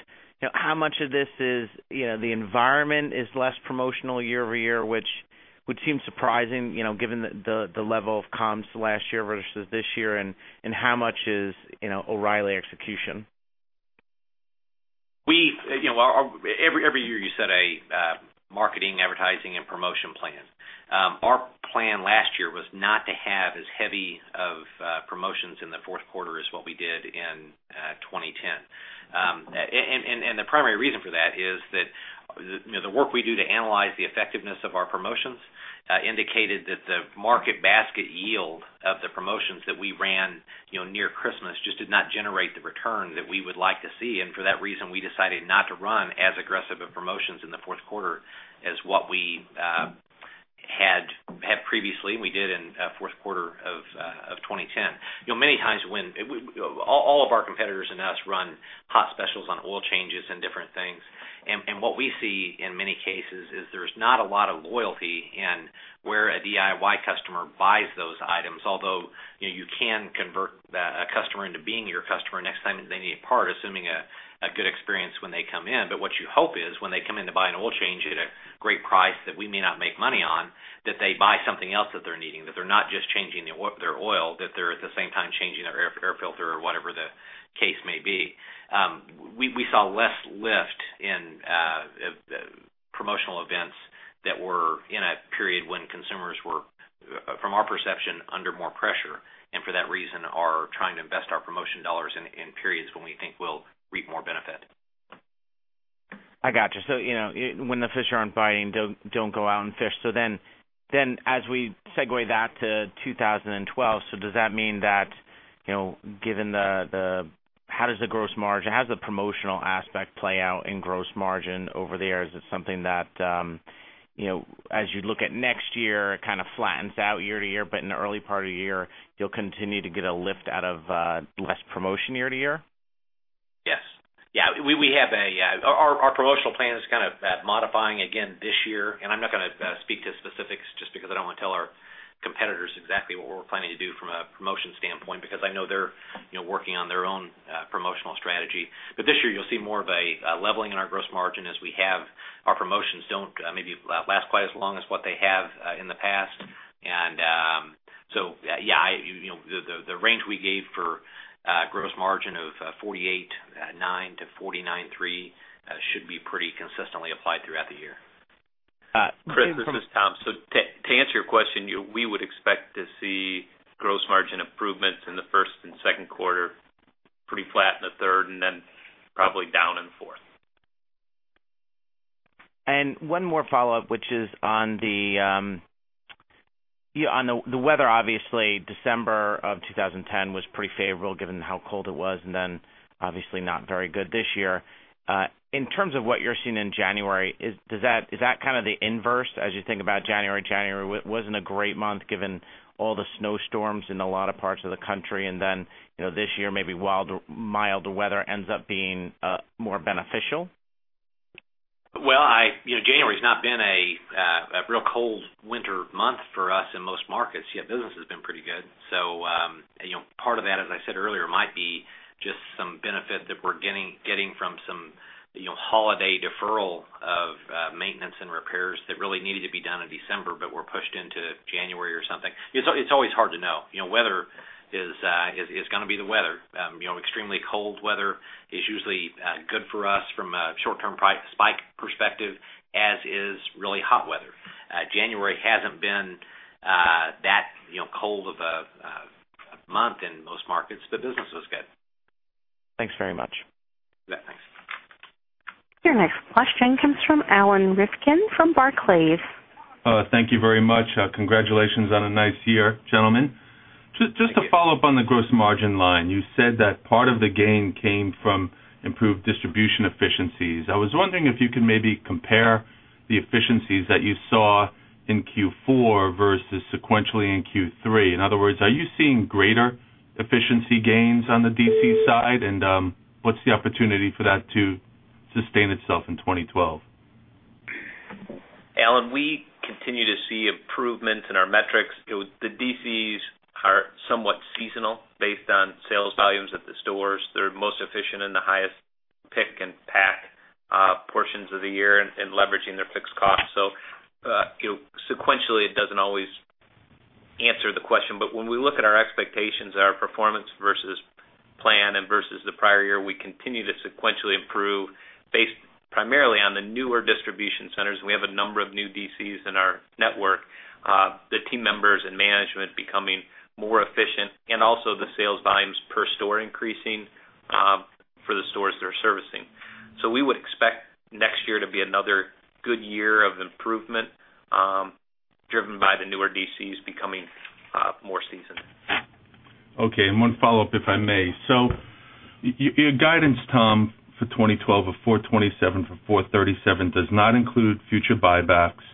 how much of this is the environment is less promotional year-over-year, which would seem surprising given the level of comps last year versus this year, and how much is O'Reilly execution? Every year, you set a marketing, advertising, and promotion plan. Our plan last year was not to have as heavy of promotions in the fourth quarter as what we did in 2010. The primary reason for that is that the work we do to analyze the effectiveness of our promotions indicated that the market basket yield of the promotions that we ran near Christmas just did not generate the return that we would like to see. For that reason, we decided not to run as aggressive of promotions in the fourth quarter as what we had previously, and we did in the fourth quarter of 2010. Many times when all of our competitors and us run hot specials on oil changes and different things, what we see in many cases is there's not a lot of loyalty in where a DIY customer buys those items, although you can convert a customer into being your customer next time they need a part, assuming a good experience when they come in. What you hope is when they come in to buy an oil change at a great price that we may not make money on, that they buy something else that they're needing, that they're not just changing their oil, that they're at the same time changing their air filter or whatever the case may be. We saw less lift in promotional events that were in a period when consumers were, from our perception, under more pressure, and for that reason, are trying to invest our promotion dollars in periods when we think we'll reap more benefit. I gotcha. You know when the fish aren't biting, don't go out and fish. As we segue that to 2012, does that mean that, given how does the gross margin, how does the promotional aspect play out in gross margin over the years? Is it something that, as you look at next year, it kind of flattens out year to year, but in the early part of the year, you'll continue to get a lift out of less promotion year to year? Yes. Our promotional plan is kind of modifying again this year, and I'm not going to speak to specifics just because I don't want to tell our competitors exactly what we're planning to do from a promotion standpoint because I know they're working on their own promotional strategy. This year, you'll see more of a leveling in our gross margin as we have our promotions don't maybe last quite as long as what they have in the past. The range we gave for gross margin of 48.9%-49.3% should be pretty consistently applied throughout the year. Chris, this is Tom. To answer your question, we would expect to see gross margin improvements in the first and second quarter, pretty flat in the third, and then probably down in the fourth. One more follow-up, which is on the weather. Obviously, December of 2010 was pretty favorable given how cold it was, and then obviously not very good this year. In terms of what you're seeing in January, is that kind of the inverse as you think about January? January wasn't a great month given all the snowstorms in a lot of parts of the country, and then this year maybe milder weather ends up being more beneficial? January has not been a real cold winter month for us in most markets. Business has been pretty good. Part of that, as I said earlier, might be just some benefit that we're getting from some holiday deferral of maintenance and repairs that really needed to be done in December but were pushed into January or something. It's always hard to know. Weather is going to be the weather. Extremely cold weather is usually good for us from a short-term spike perspective, as is really hot weather. January hasn't been that cold of a month in most markets, but business was good. Thanks very much. Thanks. Your next question comes from Alan Rifkin from Barclays. Thank you very much. Congratulations on a nice year, gentlemen. Just to follow up on the gross margin line, you said that part of the gain came from improved distribution efficiencies. I was wondering if you could maybe compare the efficiencies that you saw in Q4 versus sequentially in Q3. In other words, are you seeing greater efficiency gains on the DC side, and what's the opportunity for that to sustain itself in 2012? Alan, we continue to see improvements in our metrics. The DCs are somewhat seasonal based on sales volumes at the stores. They're most efficient in the highest pick and pack portions of the year, leveraging their fixed costs. Sequentially, it doesn't always answer the question. When we look at our expectations and our performance versus plan and versus the prior year, we continue to sequentially improve based primarily on the newer distribution centers. We have a number of new DCs in our network. The team members and management are becoming more efficient, and also the sales volumes per store are increasing for the stores they're servicing. We would expect next year to be another good year of improvement driven by the newer DCs becoming more seasoned. Okay. One follow-up, if I may. Your guidance, Tom, for 2012 of $4.27-$4.37 does not include future buybacks.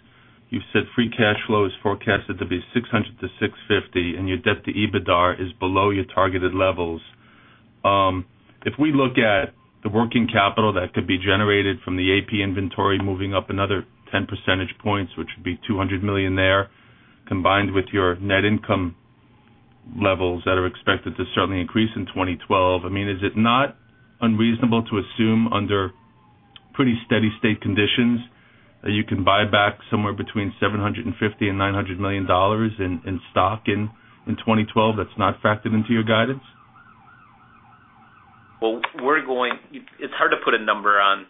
You said free cash flow is forecasted to be $600 million-$650 million, and your debt to EBITDA is below your targeted levels. If we look at the working capital that could be generated from the accounts payable to inventory ratio moving up another 10%, which would be $200 million there, combined with your net income levels that are expected to certainly increase in 2012, is it not unreasonable to assume under pretty steady state conditions that you can buy back somewhere between $750 million and $900 million in stock in 2012 that's not factored into your guidance? It's hard to put a number on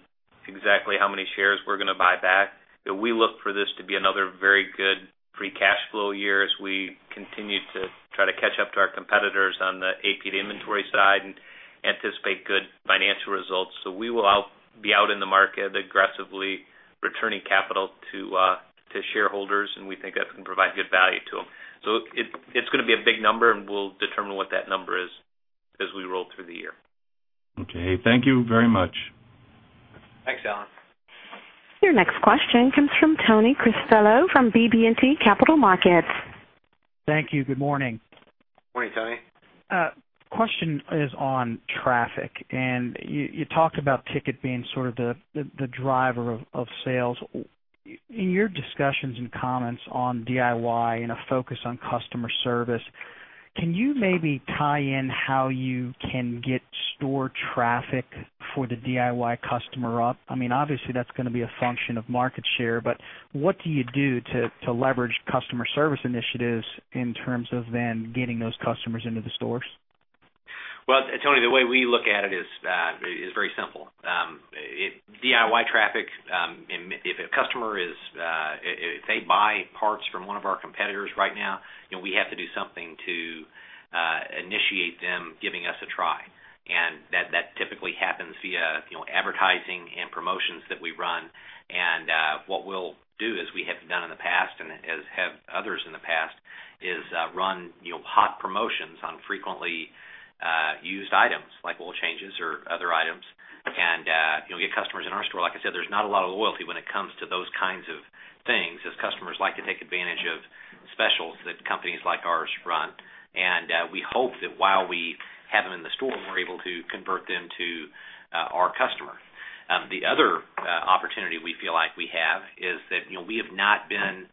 exactly how many shares we're going to buy back. We look for this to be another very good free cash flow year as we continue to try to catch up to our competitors on the accounts payable to inventory side and anticipate good financial results. We will be out in the market aggressively returning capital to shareholders, and we think that can provide good value to them. It's going to be a big number, and we'll determine what that number is as we roll through the year. Okay, thank you very much. Thanks, Alan. Your next question comes from Tony Cristello from BB&T Capital Markets. Thank you. Good morning. Morning, Tony. The question is on traffic. You talked about ticket being sort of the driver of sales. In your discussions and comments on the DIY segment and a focus on customer service, can you maybe tie in how you can get store traffic for the DIY customer up? Obviously, that's going to be a function of market share, but what do you do to leverage customer service initiatives in terms of then getting those customers into the stores? The way we look at it is very simple. DIY traffic, if a customer is, if they buy parts from one of our competitors right now, we have to do something to initiate them giving us a try. That typically happens via advertising and promotions that we run. What we will do, as we have done in the past and as others have in the past, is run hot promotions on frequently used items like oil changes or other items and get customers in our store. There is not a lot of loyalty when it comes to those kinds of things as customers like to take advantage of specials that companies like ours run. We hope that while we have them in the store, we are able to convert them to our customer. The other opportunity we feel like we have is that we have not been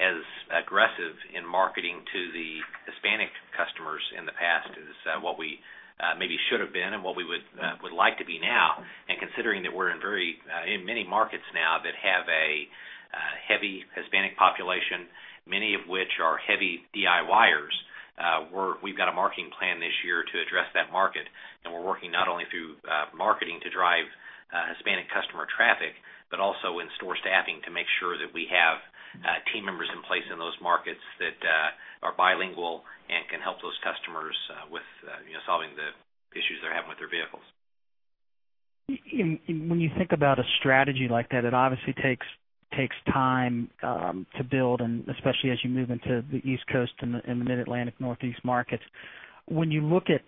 as aggressive in marketing to the Hispanic customers in the past as what we maybe should have been and what we would like to be now. Considering that we are in many markets now that have a heavy Hispanic population, many of which are heavy DIYers, we have a marketing plan this year to address that market. We are working not only through marketing to drive Hispanic customer traffic, but also in store staffing to make sure that we have team members in place in those markets that are bilingual and can help those customers with solving the issues they are having with their vehicles. When you think about a strategy like that, it obviously takes time to build, especially as you move into the East Coast and the Mid-Atlantic Northeast markets. When you look at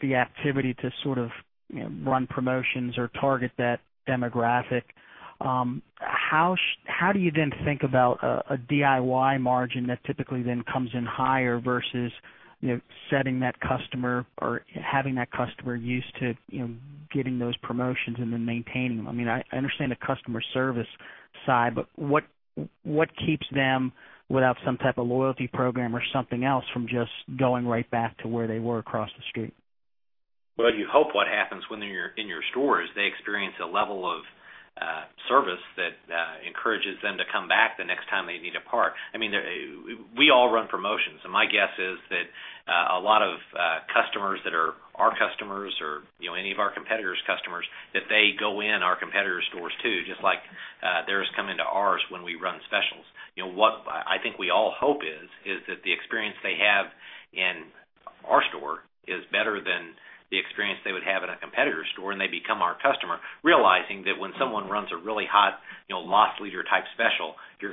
the activity to sort of run promotions or target that demographic, how do you then think about a DIY margin that typically then comes in higher versus setting that customer or having that customer used to getting those promotions and then maintaining them? I mean, I understand the customer service side, but what keeps them without some type of loyalty program or something else from just going right back to where they were across the street? You hope what happens when they're in your store is they experience a level of service that encourages them to come back the next time they need a part. I mean, we all run promotions, and my guess is that a lot of customers that are our customers or any of our competitors' customers, that they go in our competitors' stores too, just like theirs come into ours when we run specials. What I think we all hope is that the experience they have in our store is better than the experience they would have in a competitor's store, and they become our customer, realizing that when someone runs a really hot lost leader type special, you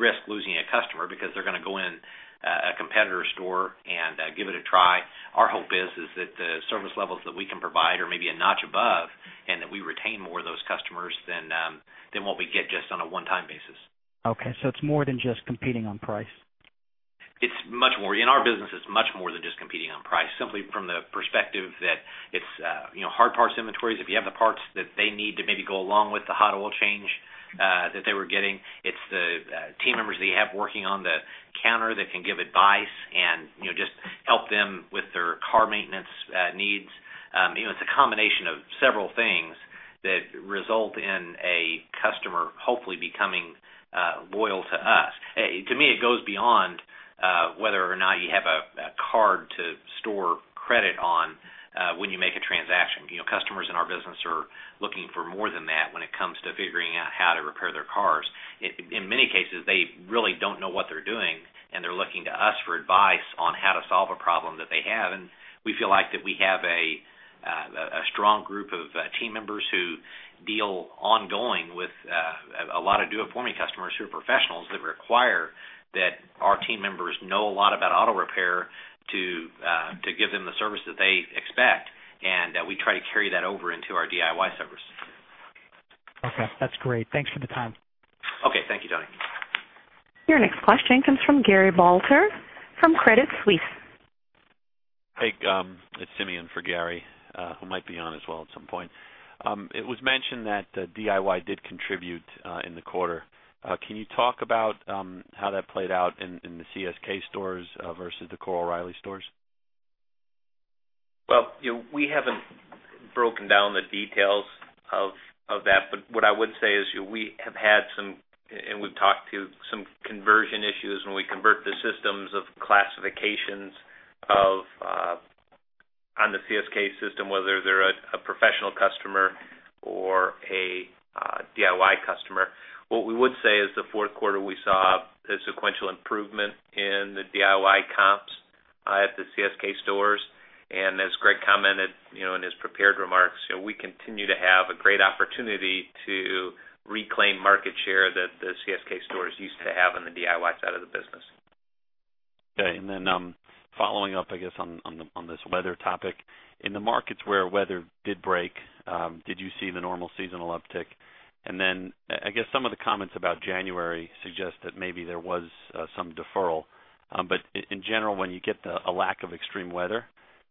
risk losing a customer because they're going to go in a competitor's store and give it a try. Our hope is that the service levels that we can provide are maybe a notch above and that we retain more of those customers than what we get just on a one-time basis. Okay. It is more than just competing on price? It's much more. In our business, it's much more than just competing on price, simply from the perspective that it's hard parts inventories. If you have the parts that they need to maybe go along with the hot oil change that they were getting, it's the team members that you have working on the counter that can give advice and just help them with their car maintenance needs. It's a combination of several things that result in a customer hopefully becoming loyal to us. To me, it goes beyond whether or not you have a card to store credit on when you make a transaction. Customers in our business are looking for more than that when it comes to figuring out how to repair their cars. In many cases, they really don't know what they're doing, and they're looking to us for advice on how to solve a problem that they have. We feel like we have a strong group of team members who deal ongoing with a lot of do-it-for-me customers who are professionals that require that our team members know a lot about auto repair to give them the service that they expect. We try to carry that over into our DIY service. Okay, that's great. Thanks for the time. Okay. Thank you, Tony. Your next question comes from Gary Balter from Credit Suisse. Hey. It's Simeon for Gary, who might be on as well at some point. It was mentioned that DIY did contribute in the quarter. Can you talk about how that played out in the CSK Auto stores versus the core O'Reilly stores? We haven't broken down the details of that, but what I would say is we have had some, and we've talked to some conversion issues when we convert the systems of classifications on the CSK system, whether they're a professional customer or a DIY customer. What we would say is the fourth quarter, we saw a sequential improvement in the DIY comps at the CSK stores. As Greg commented in his prepared remarks, we continue to have a great opportunity to reclaim market share that the CSK stores used to have on the DIY side of the business. Okay. Following up, I guess, on this weather topic, in the markets where weather did break, did you see the normal seasonal uptick? I guess some of the comments about January suggest that maybe there was some deferral. In general, when you get a lack of extreme weather,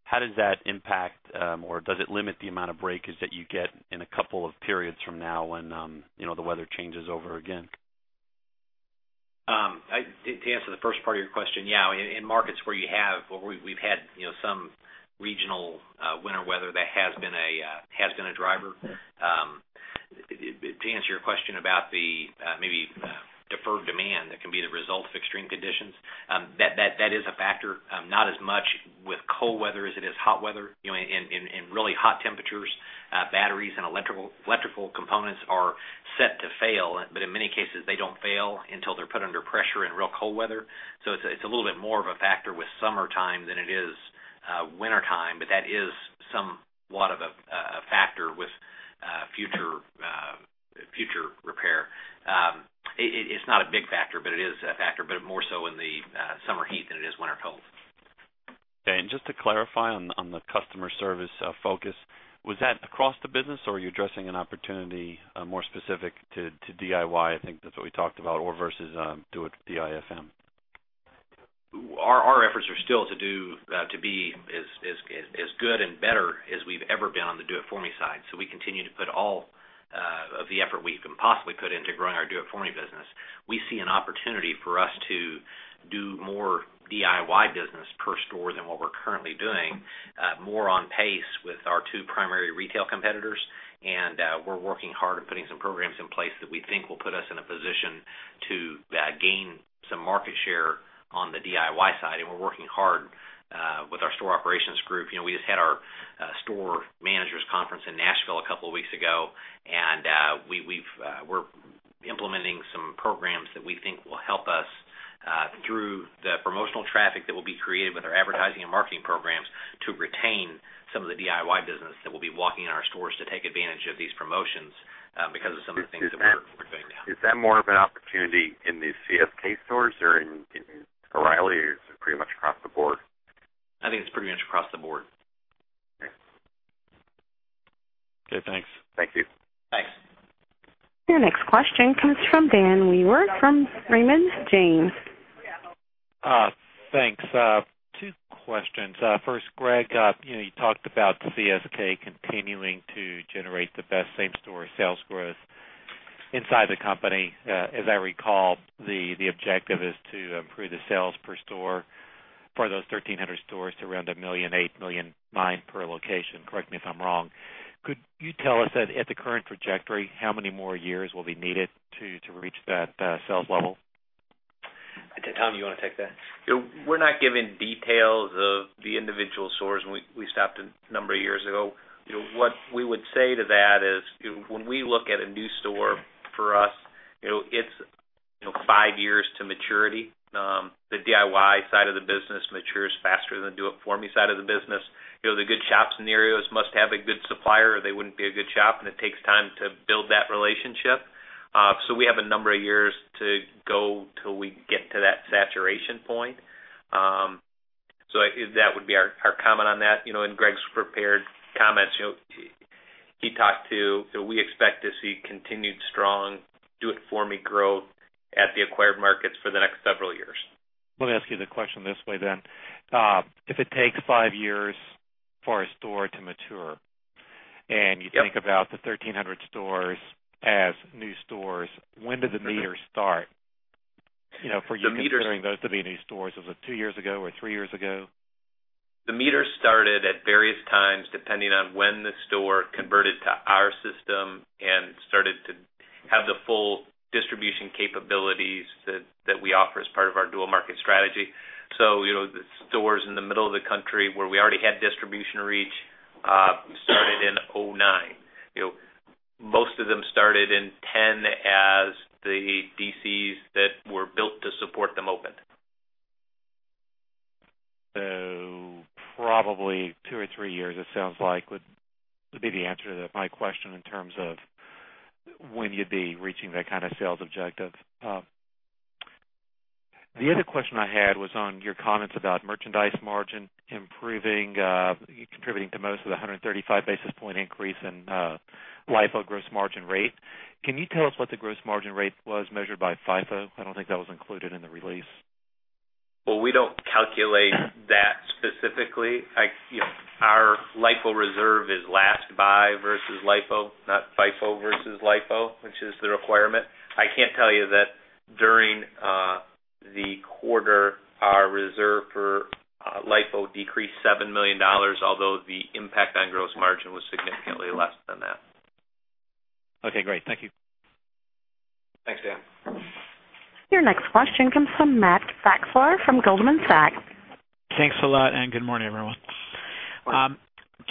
how does that impact, or does it limit the amount of breakage that you get in a couple of periods from now when the weather changes over again? To answer the first part of your question, yeah, in markets where we've had some regional winter weather, that has been a driver. To answer your question about the maybe deferred demand that can be the result of extreme conditions, that is a factor, not as much with cold weather as it is hot weather. In really hot temperatures, batteries and electrical components are set to fail, but in many cases, they don't fail until they're put under pressure in real cold weather. It's a little bit more of a factor with summertime than it is wintertime, but that is somewhat of a factor with future repair. It's not a big factor, but it is a factor, but more so in the summer heat than it is when they're cold. Okay. Just to clarify on the customer service focus, was that across the business, or are you addressing an opportunity more specific to DIY? I think that's what we talked about, or versus do-it-for-me? Our efforts are still to be as good and better as we've ever been on the do-it-for-me side. We continue to put all of the effort we can possibly put into growing our do-it-for-me business. We see an opportunity for us to do more DIY business per store than what we're currently doing, more on pace with our two primary retail competitors. We're working hard and putting some programs in place that we think will put us in a position to gain some market share on the DIY side. We're working hard with our store operations group. We just had our store manager's conference in Nashville a couple of weeks ago, and we're implementing some programs that we think will help us through the promotional traffic that will be created with our advertising and marketing programs to retain some of the DIY business that will be walking in our stores to take advantage of these promotions because of some of the things that we're doing now. Is that more of an opportunity in these CSK stores or in O'Reilly or is it pretty much across the board? I think it's pretty much across the board. Okay. Thanks. Thank you. Thanks. Your next question comes from Dan Weaver from Raymond James. Thanks. Two questions. First, Greg, you talked about the CSK continuing to generate the best comparable store sales growth inside the company. As I recall, the objective is to improve the sales per store for those 1,300 stores to around $1 million, $8 million lines per location. Correct me if I'm wrong. Could you tell us that at the current trajectory, how many more years will be needed to reach that sales level? Tom, do you want to take that? We're not given details of the individual stores. We stopped a number of years ago. What we would say to that is when we look at a new store for us, it's five years to maturity. The DIY side of the business matures faster than the do-it-for-me side of the business. The good shop scenarios must have a good supplier or they wouldn't be a good shop, and it takes time to build that relationship. We have a number of years to go till we get to that saturation point. That would be our comment on that. In Greg's prepared comments, he talked to we expect to see continued strong do-it-for-me growth at the acquired markets for the next several years. Let me ask you the question this way then. If it takes five years for a store to mature, and you think about the 1,300 stores as new stores, when did the meter start? For you considering those to be new stores, was it two years ago or three years ago? The meter started at various times depending on when the store converted to our system and started to have the full distribution capabilities that we offer as part of our dual market strategy. The stores in the middle of the country where we already had distribution reach started in 2009. Most of them started in 2010 as the DCs that were built to support them opened. Probably two or three years, it sounds like, would be the answer to my question in terms of when you'd be reaching that kind of sales objective. The other question I had was on your comments about merchandise margin improving, contributing to most of the 135 basis point increase in LIFO gross margin rate. Can you tell us what the gross margin rate was measured by FIFO? I don't think that was included in the release. We don't calculate that specifically. Our LIFO reserve is last buy versus LIFO, not FIFO versus LIFO, which is the requirement. I can tell you that during the quarter, our reserve for LIFO decreased $7 million, although the impact on gross margin was significantly less than that. Okay, great. Thank you. Thanks, Dan. Your next question comes from Matt Fassler from Goldman Sachs. Thanks a lot, and good morning, everyone.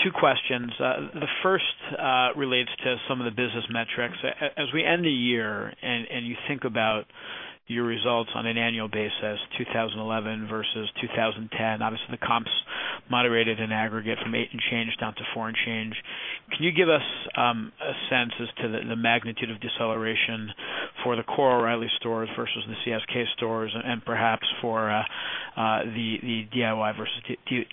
Two questions. The first relates to some of the business metrics. As we end the year and you think about your results on an annual basis, 2011 versus 2010, obviously, the comps moderated in aggregate and changed out to foreign change. Can you give us a sense as to the magnitude of deceleration for the Core O'Reilly stores versus the CSK stores and perhaps for the DIY versus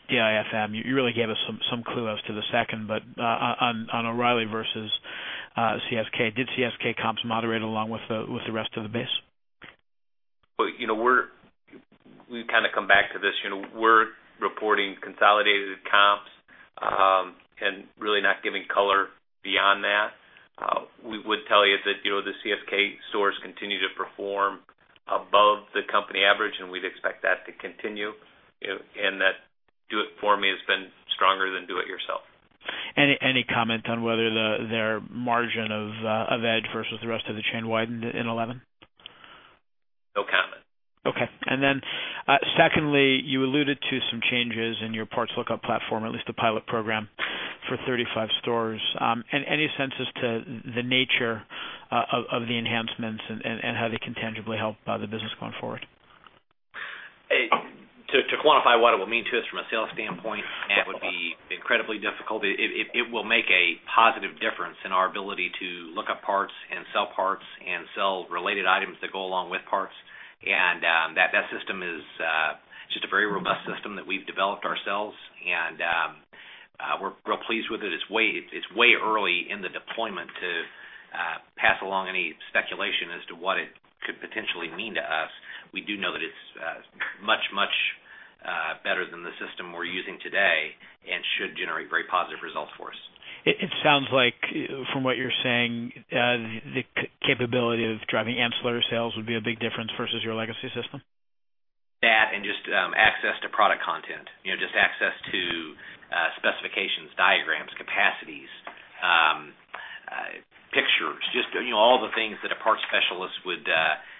DIFM? You really gave us some clue as to the second, but on O'Reilly versus CSK, did CSK comps moderate along with the rest of the base? We've kind of come back to this. You know, we're reporting consolidated comps and really not giving color beyond that. We would tell you that the CSK Auto stores continue to perform above the company average, and we'd expect that to continue. That do-it-for-me has been stronger than do-it-yourself. Any comment on whether their margin of edge versus the rest of the chain widened in 2011? No comment. Okay. You alluded to some changes in your parts lookup platform, at least the pilot program for 35 stores. Any sense as to the nature of the enhancements and how they can tangibly help the business going forward? To quantify what it will mean to us from a sales standpoint, that would be incredibly difficult. It will make a positive difference in our ability to look up parts and sell parts and sell related items that go along with parts. That system is just a very robust system that we've developed ourselves, and we're real pleased with it. It's way early in the deployment to pass along any speculation as to what it could potentially mean to us. We do know that it's much, much better than the system we're using today and should generate very positive results for us. It sounds like from what you're saying, the capability of driving ancillary sales would be a big difference versus your legacy system? That and just access to product content, just access to specifications, diagrams, capacities, pictures, just all the things that a parts specialist would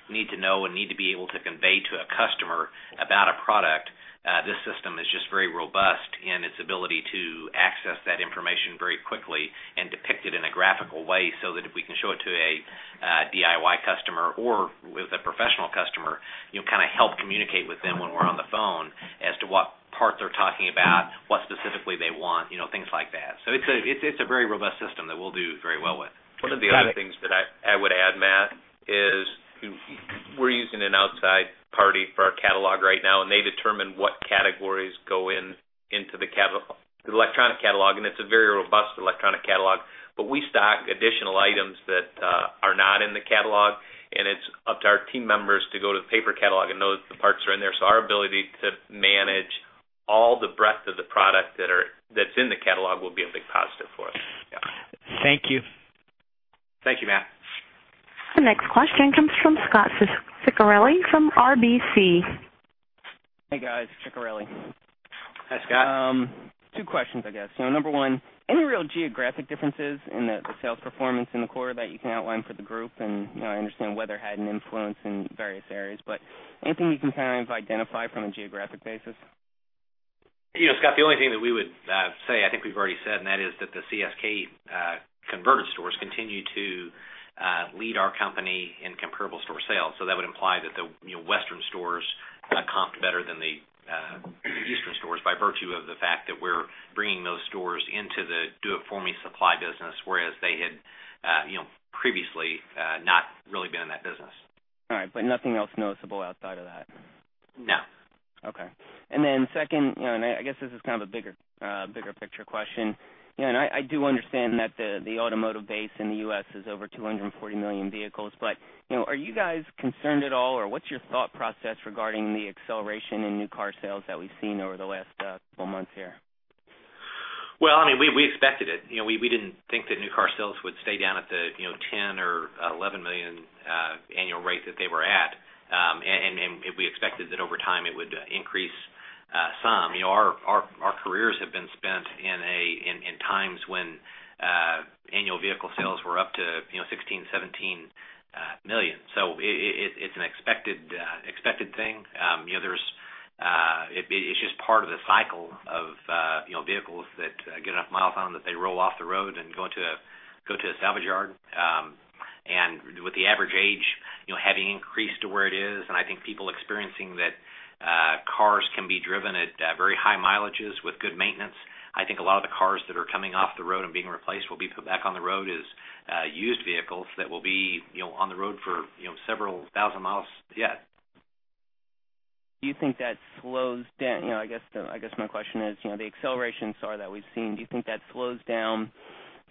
need to know and need to be able to convey to a customer about a product. This system is just very robust in its ability to access that information very quickly and depict it in a graphical way, so that if we can show it to a DIY customer or with a professional customer, kind of help communicate with them when we're on the phone as to what part they're talking about, what specifically they want, things like that. It's a very robust system that we'll do very well with. One of the other things that I would add, Matt, is we're using an outside party for our catalog right now, and they determine what categories go into the electronic parts catalog systems. It's a very robust electronic parts catalog, but we stock additional items that are not in the catalog, and it's up to our team members to go to the paper catalog and know that the parts are in there. Our ability to manage all the breadth of the product that's in the catalog will be a big positive for us. Thank you. Thank you, Matt. The next question comes from Scot Ciccarelli from RBC. Hey, guys. Scot Ciccarelli. Hi, Scott. Two questions, I guess. Number one, any real geographic differences in the sales performance in the quarter that you can outline for the group? I understand weather had an influence in various areas, but anything you can kind of identify from a geographic basis? You know, Scott, the only thing that we would say, I think we've already said, and that is that the CSK converted stores continue to lead our company in comparable store sales. That would imply that the Western stores comped better than the Eastern stores by virtue of the fact that we're bringing those stores into the do-it-for-me supply business, whereas they had previously not really been in that business. All right. Nothing else noticeable outside of that? No. Okay. Second, I guess this is kind of a bigger picture question. I do understand that the automotive base in the U.S. has over 240 million vehicles, but are you guys concerned at all, or what's your thought process regarding the acceleration in new car sales that we've seen over the last couple of months here? I mean, we expected it. You know, we didn't think that new car sales would stay down at the 10 million or 11 million annual rate that they were at, and we expected that over time it would increase some. You know, our careers have been spent in times when annual vehicle sales were up to 16 million, 17 million. It's an expected thing. It's just part of the cycle of vehicles that get enough miles on them that they roll off the road and go to a salvage yard. With the average age having increased to where it is, and I think people experiencing that cars can be driven at very high mileages with good maintenance, I think a lot of the cars that are coming off the road and being replaced will be put back on the road as used vehicles that will be on the road for several thousand miles. Do you think that slows down? I guess my question is, the acceleration SAR that we've seen, do you think that slows down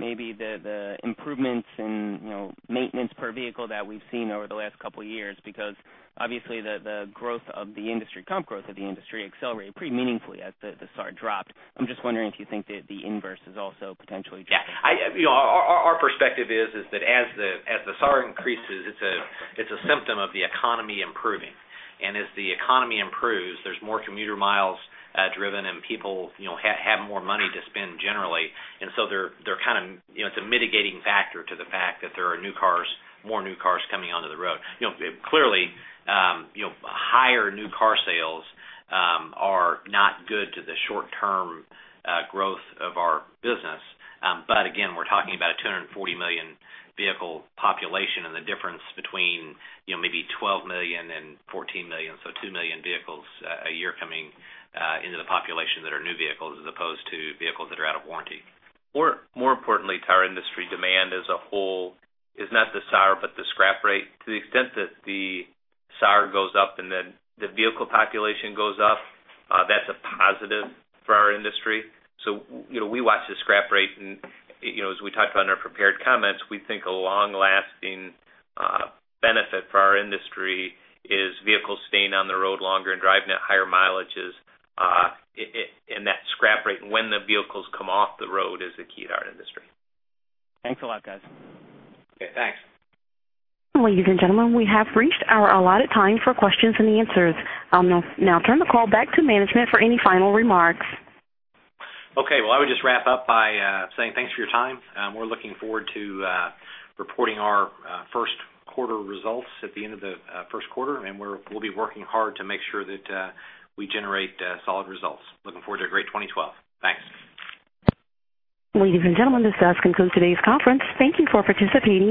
maybe the improvements in maintenance per vehicle that we've seen over the last couple of years? Because obviously, the growth of the industry, comp growth of the industry, accelerated pretty meaningfully as the SAR dropped. I'm just wondering if you think that the inverse is also potentially? Yeah. Our perspective is that as the SAAR increases, it's a symptom of the economy improving. As the economy improves, there's more commuter miles driven, and people have more money to spend generally. They're kind of, it's a mitigating factor to the fact that there are more new cars coming onto the road. Clearly, higher new car sales are not good to the short-term growth of our business. Again, we're talking about a 240 million vehicle population and the difference between maybe 12 million and 14 million, so 2 million vehicles. year coming into the population that are new vehicles as opposed to vehicles that are out of warranty. More importantly, to our industry, demand as a whole is not the SAAR. but the scrap rate. To the extent that the SAAR. goes up and then the vehicle population goes up, that's a positive for our industry. We watch the scrap rate and, as we talked about in our prepared comments, we think a long-lasting benefit for our industry is vehicles staying on the road longer and driving at higher mileages. That scrap rate and when the vehicles come off the road is the key to our industry. Thanks a lot, guys. Okay, thanks. Ladies and gentlemen, we have reached our allotted time for questions and answers. I'll now turn the call back to management for any final remarks. Okay, I would just wrap up by saying thanks for your time. We're looking forward to reporting our first quarter results at the end of the first quarter, and we'll be working hard to make sure that we generate solid results. Looking forward to a great 2012. Thanks. Ladies and gentlemen, this does conclude today's conference. Thank you for participating.